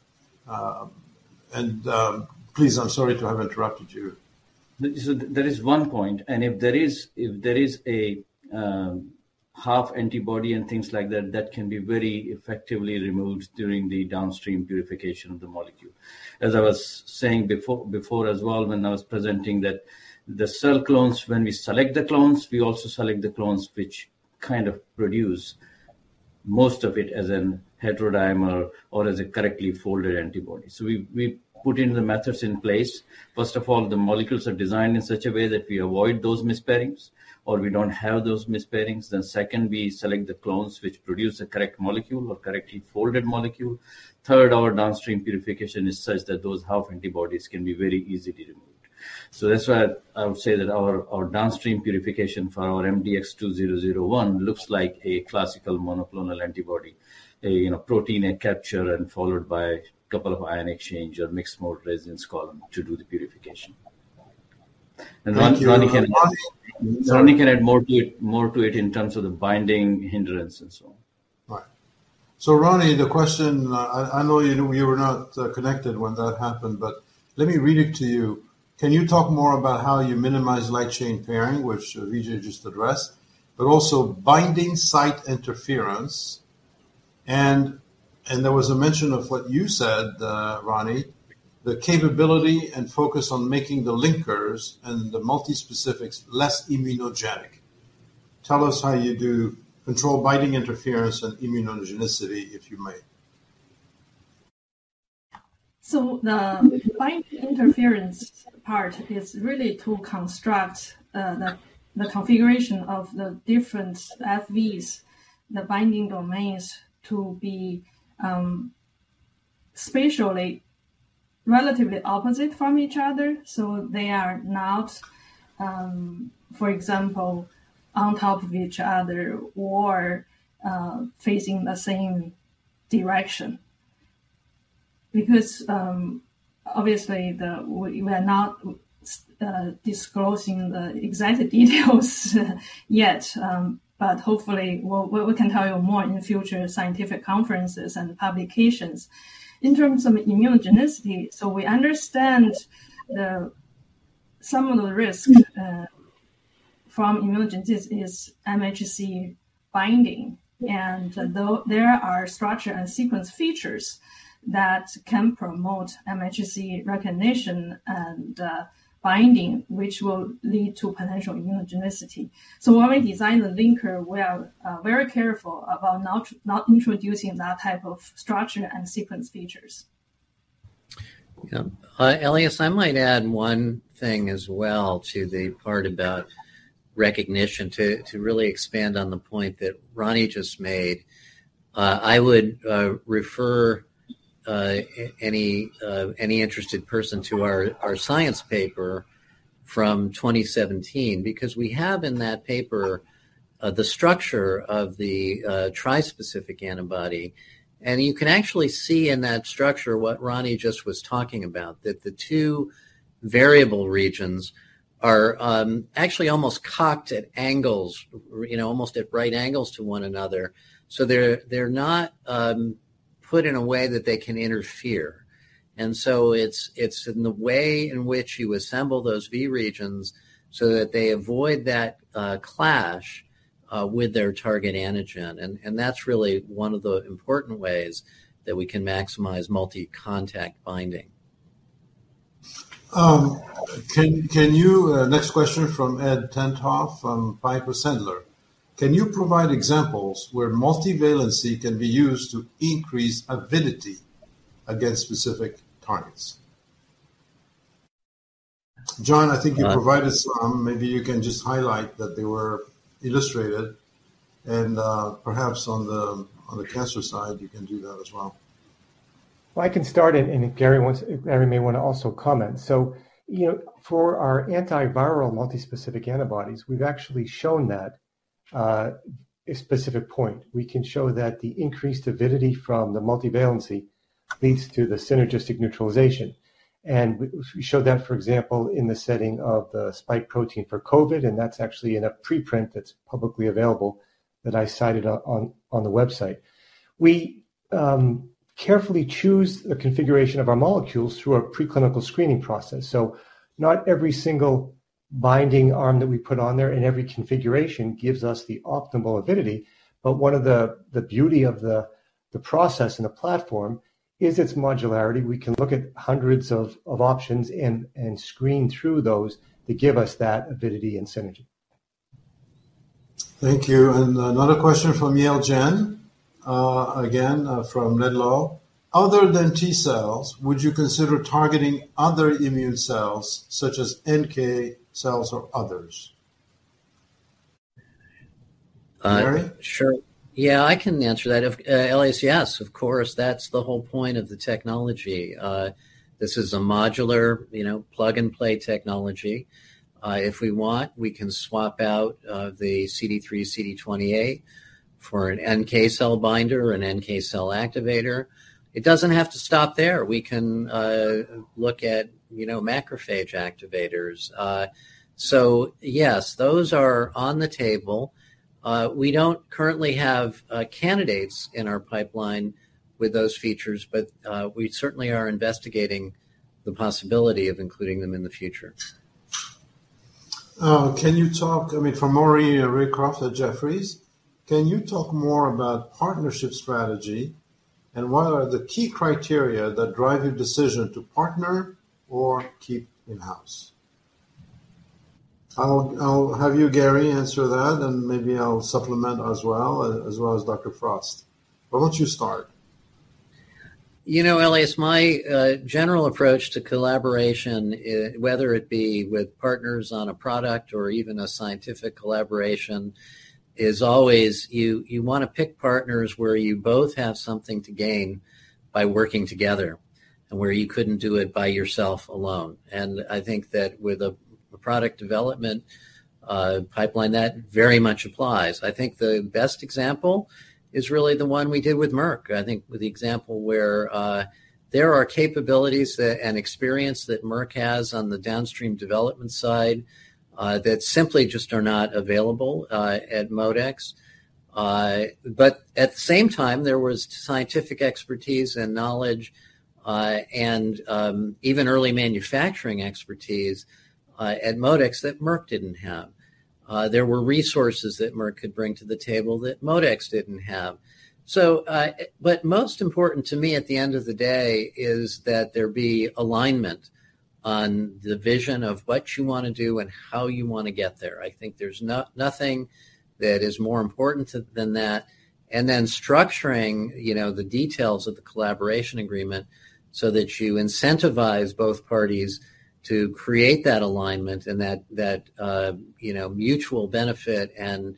Please, I'm sorry to have interrupted you. That is one point, if there is a half antibody and things like that can be very effectively removed during the downstream purification of the molecule. As I was saying before as well when I was presenting that the cell clones, when we select the clones, we also select the clones which kind of produce most of it as an heterodimer or as a correctly folded antibody. We put in the methods in place. First of all, the molecules are designed in such a way that we avoid those mispairings, or we don't have those mispairings. Second, we select the clones which produce a correct molecule or correctly folded molecule. Third, our downstream purification is such that those half antibodies can be very easily removed. That's why I would say that our downstream purification for our MDX2001 looks like a classical monoclonal antibody. You know, protein capture and followed by a couple of ion exchange or mixed mode residence column to do the purification. Thank you. Ronnie can add more to it in terms of the binding hindrance and so on. Right. Ronnie, the question, I know you were not connected when that happened, but let me read it to you. Can you talk more about how you minimize light chain pairing, which Vijay just addressed. Also binding site interference, and there was a mention of what you said, Ronnie, the capability and focus on making the linkers and the multispecifics less immunogenic. Tell us how you do control binding interference and immunogenicity, if you may. The binding interference part is really to construct the configuration of the different FVs, the binding domains to be spatially relatively opposite from each other, so they are not, for example, on top of each other or facing the same direction. Obviously we are not disclosing the exact details yet, but hopefully we can tell you more in future scientific conferences and publications. In terms of immunogenicity, we understand some of the risk from immunogenicity is MHC binding. Though there are structure and sequence features that can promote MHC recognition and binding, which will lead to potential immunogenicity. When we design the linker, we are very careful about not introducing that type of structure and sequence features. Yeah. Elias, I might add one thing as well to the part about recognition to really expand on the point that Ronnie just made. I would refer any interested person to our science paper from 2017, because we have in that paper the structure of the trispecific antibody. You can actually see in that structure what Ronnie just was talking about, that the two variable regions are actually almost cocked at angles, you know, almost at right angles to one another. They're not put in a way that they can interfere. It's in the way in which you assemble those V regions so that they avoid that clash with their target antigen, and that's really one of the important ways that we can maximize multi-contact binding. Can you? Next question from Ed Tenthoff from Piper Sandler. Can you provide examples where multi-valency can be used to increase avidity against specific targets? John, I think you provided some. Maybe you can just highlight that they were illustrated and, perhaps on the cancer side, you can do that as well. I can start and if Gary wants Gary may wanna also comment. You know, for our antiviral multispecific antibodies, we've actually shown that a specific point. We can show that the increased avidity from the multi-valency leads to the synergistic neutralization. We showed that, for example, in the setting of the spike protein for COVID-19, and that's actually in a preprint that's publicly available that I cited on the website. We carefully choose the configuration of our molecules through our preclinical screening process. Not every single binding arm that we put on there in every configuration gives us the optimal avidity, but one of the beauty of the process and the platform is its modularity. We can look at hundreds of options and screen through those that give us that avidity and synergy. Thank you. Another question from Yale Jen, again, from Laidlaw. Other than T cells, would you consider targeting other immune cells such as NK cells or others? Gary? Sure. I can answer that. Of Elias, yes, of course, that's the whole point of the technology. This is a modular, you know, plug-and-play technology. If we want, we can swap out the CD3/CD28 for an NK cell binder or an NK cell activator. It doesn't have to stop there. We can look at, you know, macrophage activators. Yes, those are on the table. We don't currently have candidates in our pipeline with those features, but we certainly are investigating the possibility of including them in the future. I mean, from Maury Raycroft at Jefferies. Can you talk more about partnership strategy, and what are the key criteria that drive your decision to partner or keep in-house? I'll have you, Gary, answer that, and maybe I'll supplement as well, as well as Dr. Frost. Why don't you start? You know, Elias, my general approach to collaboration, whether it be with partners on a product or even a scientific collaboration, is always you wanna pick partners where you both have something to gain by working together and where you couldn't do it by yourself alone. I think that with a product development pipeline, that very much applies. I think the best example is really the one we did with Merck. I think with the example where there are capabilities and experience that Merck has on the downstream development side, that simply just are not available at ModeX. At the same time, there was scientific expertise and knowledge, and even early manufacturing expertise at ModeX that Merck didn't have. There were resources that Merck could bring to the table that ModeX didn't have. Most important to me at the end of the day is that there be alignment on the vision of what you wanna do and how you wanna get there. I think there's nothing that is more important than that. Structuring, you know, the details of the collaboration agreement so that you incentivize both parties to create that alignment and that, you know, mutual benefit and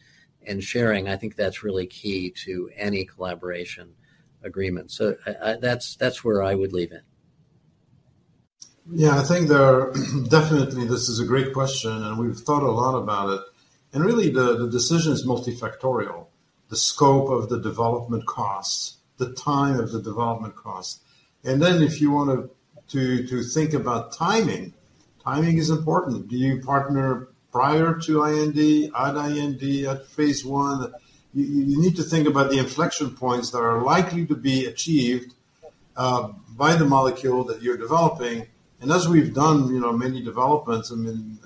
sharing, I think that's really key to any collaboration agreement. That's, that's where I would leave it. Yeah. Definitely this is a great question, we've thought a lot about it. Really the decision is multifactorial. The scope of the development costs, the time of the development costs. If you wanna to think about timing is important. Do you partner prior to IND, at IND, at phase I? You need to think about the inflection points that are likely to be achieved by the molecule that you're developing. As we've done, you know, many developments and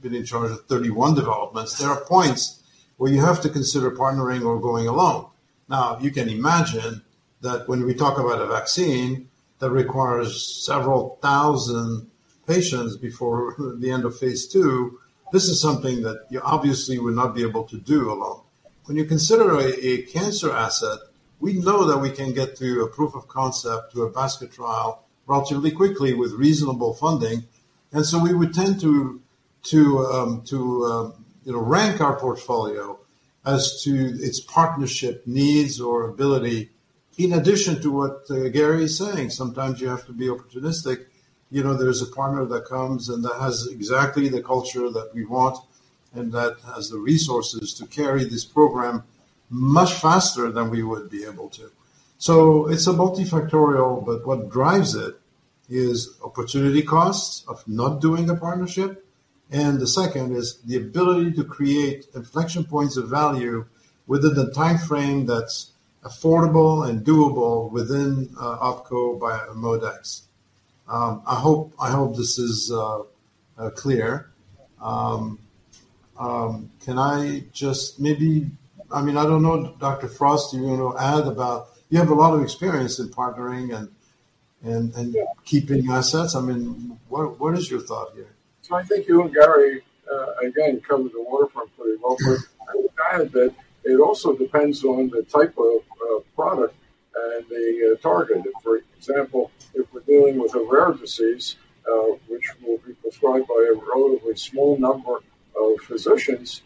been in charge of 31 developments, there are points where you have to consider partnering or going alone. Now, you can imagine that when we talk about a vaccine that requires several thousand patients before the end of phase II, this is something that you obviously would not be able to do alone. When you consider a cancer asset, we know that we can get to a proof of concept to a basket trial relatively quickly with reasonable funding. We would tend to, you know, rank our portfolio as to its partnership needs or ability. In addition to what Gary is saying, sometimes you have to be opportunistic. You know, there's a partner that comes and that has exactly the culture that we want, and that has the resources to carry this program much faster than we would be able to. It's a multifactorial, but what drives it is opportunity costs of not doing the partnership, and the second is the ability to create inflection points of value within the timeframe that's affordable and doable within OPKO by ModeX. I hope this is clear. Can I just maybe, I mean, I don't know, Dr. Frost, do you wanna add about? You have a lot of experience in partnering and keeping assets. I mean, what is your thought here? I think you and Gary, again, covered the waterfront pretty well. I would add that it also depends on the type of product and the target. For example, if we're dealing with a rare disease, which will be prescribed by a relatively small number of physicians,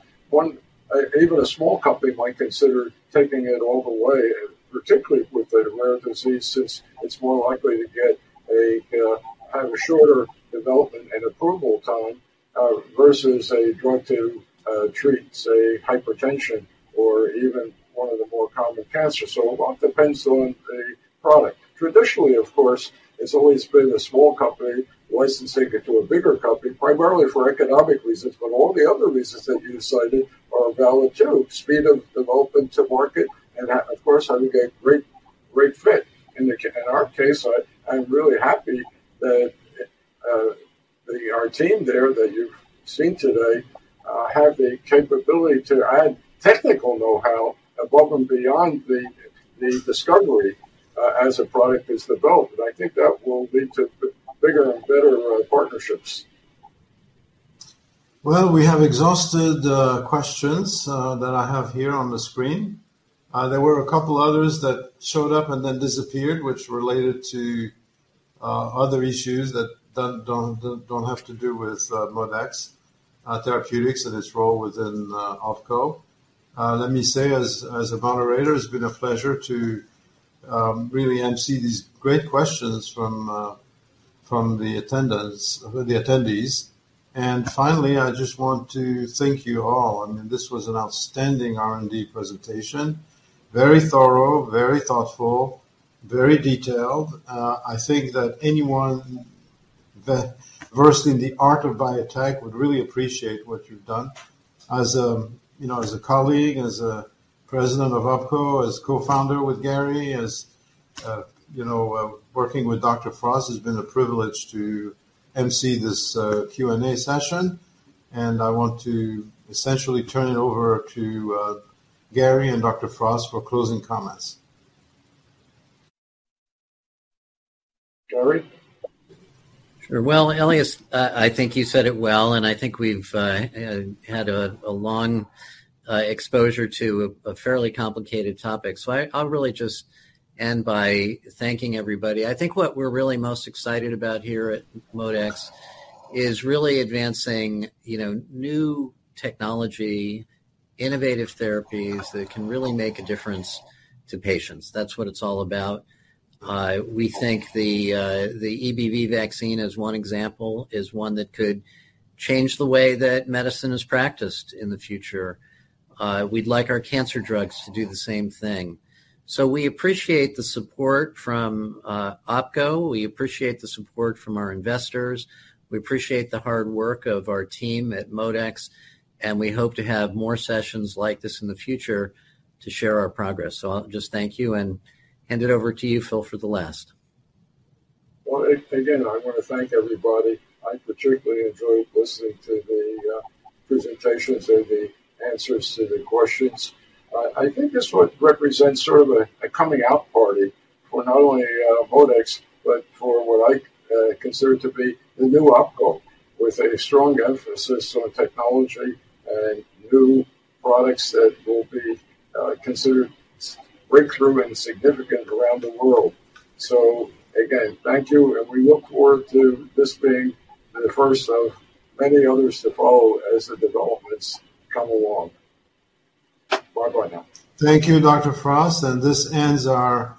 even a small company might consider taking it all the way, and particularly with a rare disease, since it's more likely to get a shorter development and approval time, versus a drug to treat, say, hypertension or even one of the more common cancers. A lot depends on the product. Traditionally, of course, it's always been a small company licensing it to a bigger company, primarily for economic reasons. All the other reasons that you cited are valid too. Speed of development to market. Of course, having a great fit. In our case, I'm really happy that our team there that you've seen today have the capability to add technical know-how above and beyond the discovery as a product is developed. I think that will lead to bigger and better partnerships. Well, we have exhausted questions that I have here on the screen. There were a couple others that showed up and then disappeared, which related to other issues that don't have to do with ModeX Therapeutics and its role within OPKO. Let me say as a moderator, it's been a pleasure to really emcee these great questions from the attendance, the attendees. Finally, I just want to thank you all. I mean, this was an outstanding R&D presentation. Very thorough, very thoughtful, very detailed. I think that anyone versed in the art of biotech would really appreciate what you've done. As a, you know, as a colleague, as a President of OPKO, as co-founder with Gary, as, you know, working with Dr. Frost, it's been a privilege to emcee this Q&A session. I want to essentially turn it over to Gary and Dr. Frost for closing comments. Gary? Sure. Well, Elias, I think you said it well, and I think we've had a long exposure to a fairly complicated topic. I'll really just end by thanking everybody. I think what we're really most excited about here at ModeX is really advancing, you know, new technology, innovative therapies that can really make a difference to patients. That's what it's all about. We think the EBV vaccine as one example, is one that could change the way that medicine is practiced in the future. We'd like our cancer drugs to do the same thing. We appreciate the support from OPKO. We appreciate the support from our investors. We appreciate the hard work of our team at ModeX, and we hope to have more sessions like this in the future to share our progress. I'll just thank you and hand it over to you, Phil, for the last. Well, again, I wanna thank everybody. I particularly enjoyed listening to the presentations and the answers to the questions. I think this would represent sort of a coming out party for not only ModeX, but for what I consider to be the new OPKO, with a strong emphasis on technology and new products that will be considered breakthrough and significant around the world. Again, thank you, and we look forward to this being the first of many others to follow as the developments come along. Bye-bye now. Thank you, Dr. Frost. This ends our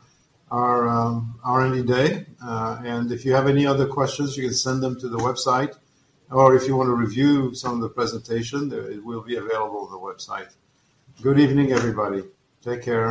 R&D Day. If you have any other questions, you can send them to the website. If you wanna review some of the presentation, it will be available on the website. Good evening, everybody. Take care.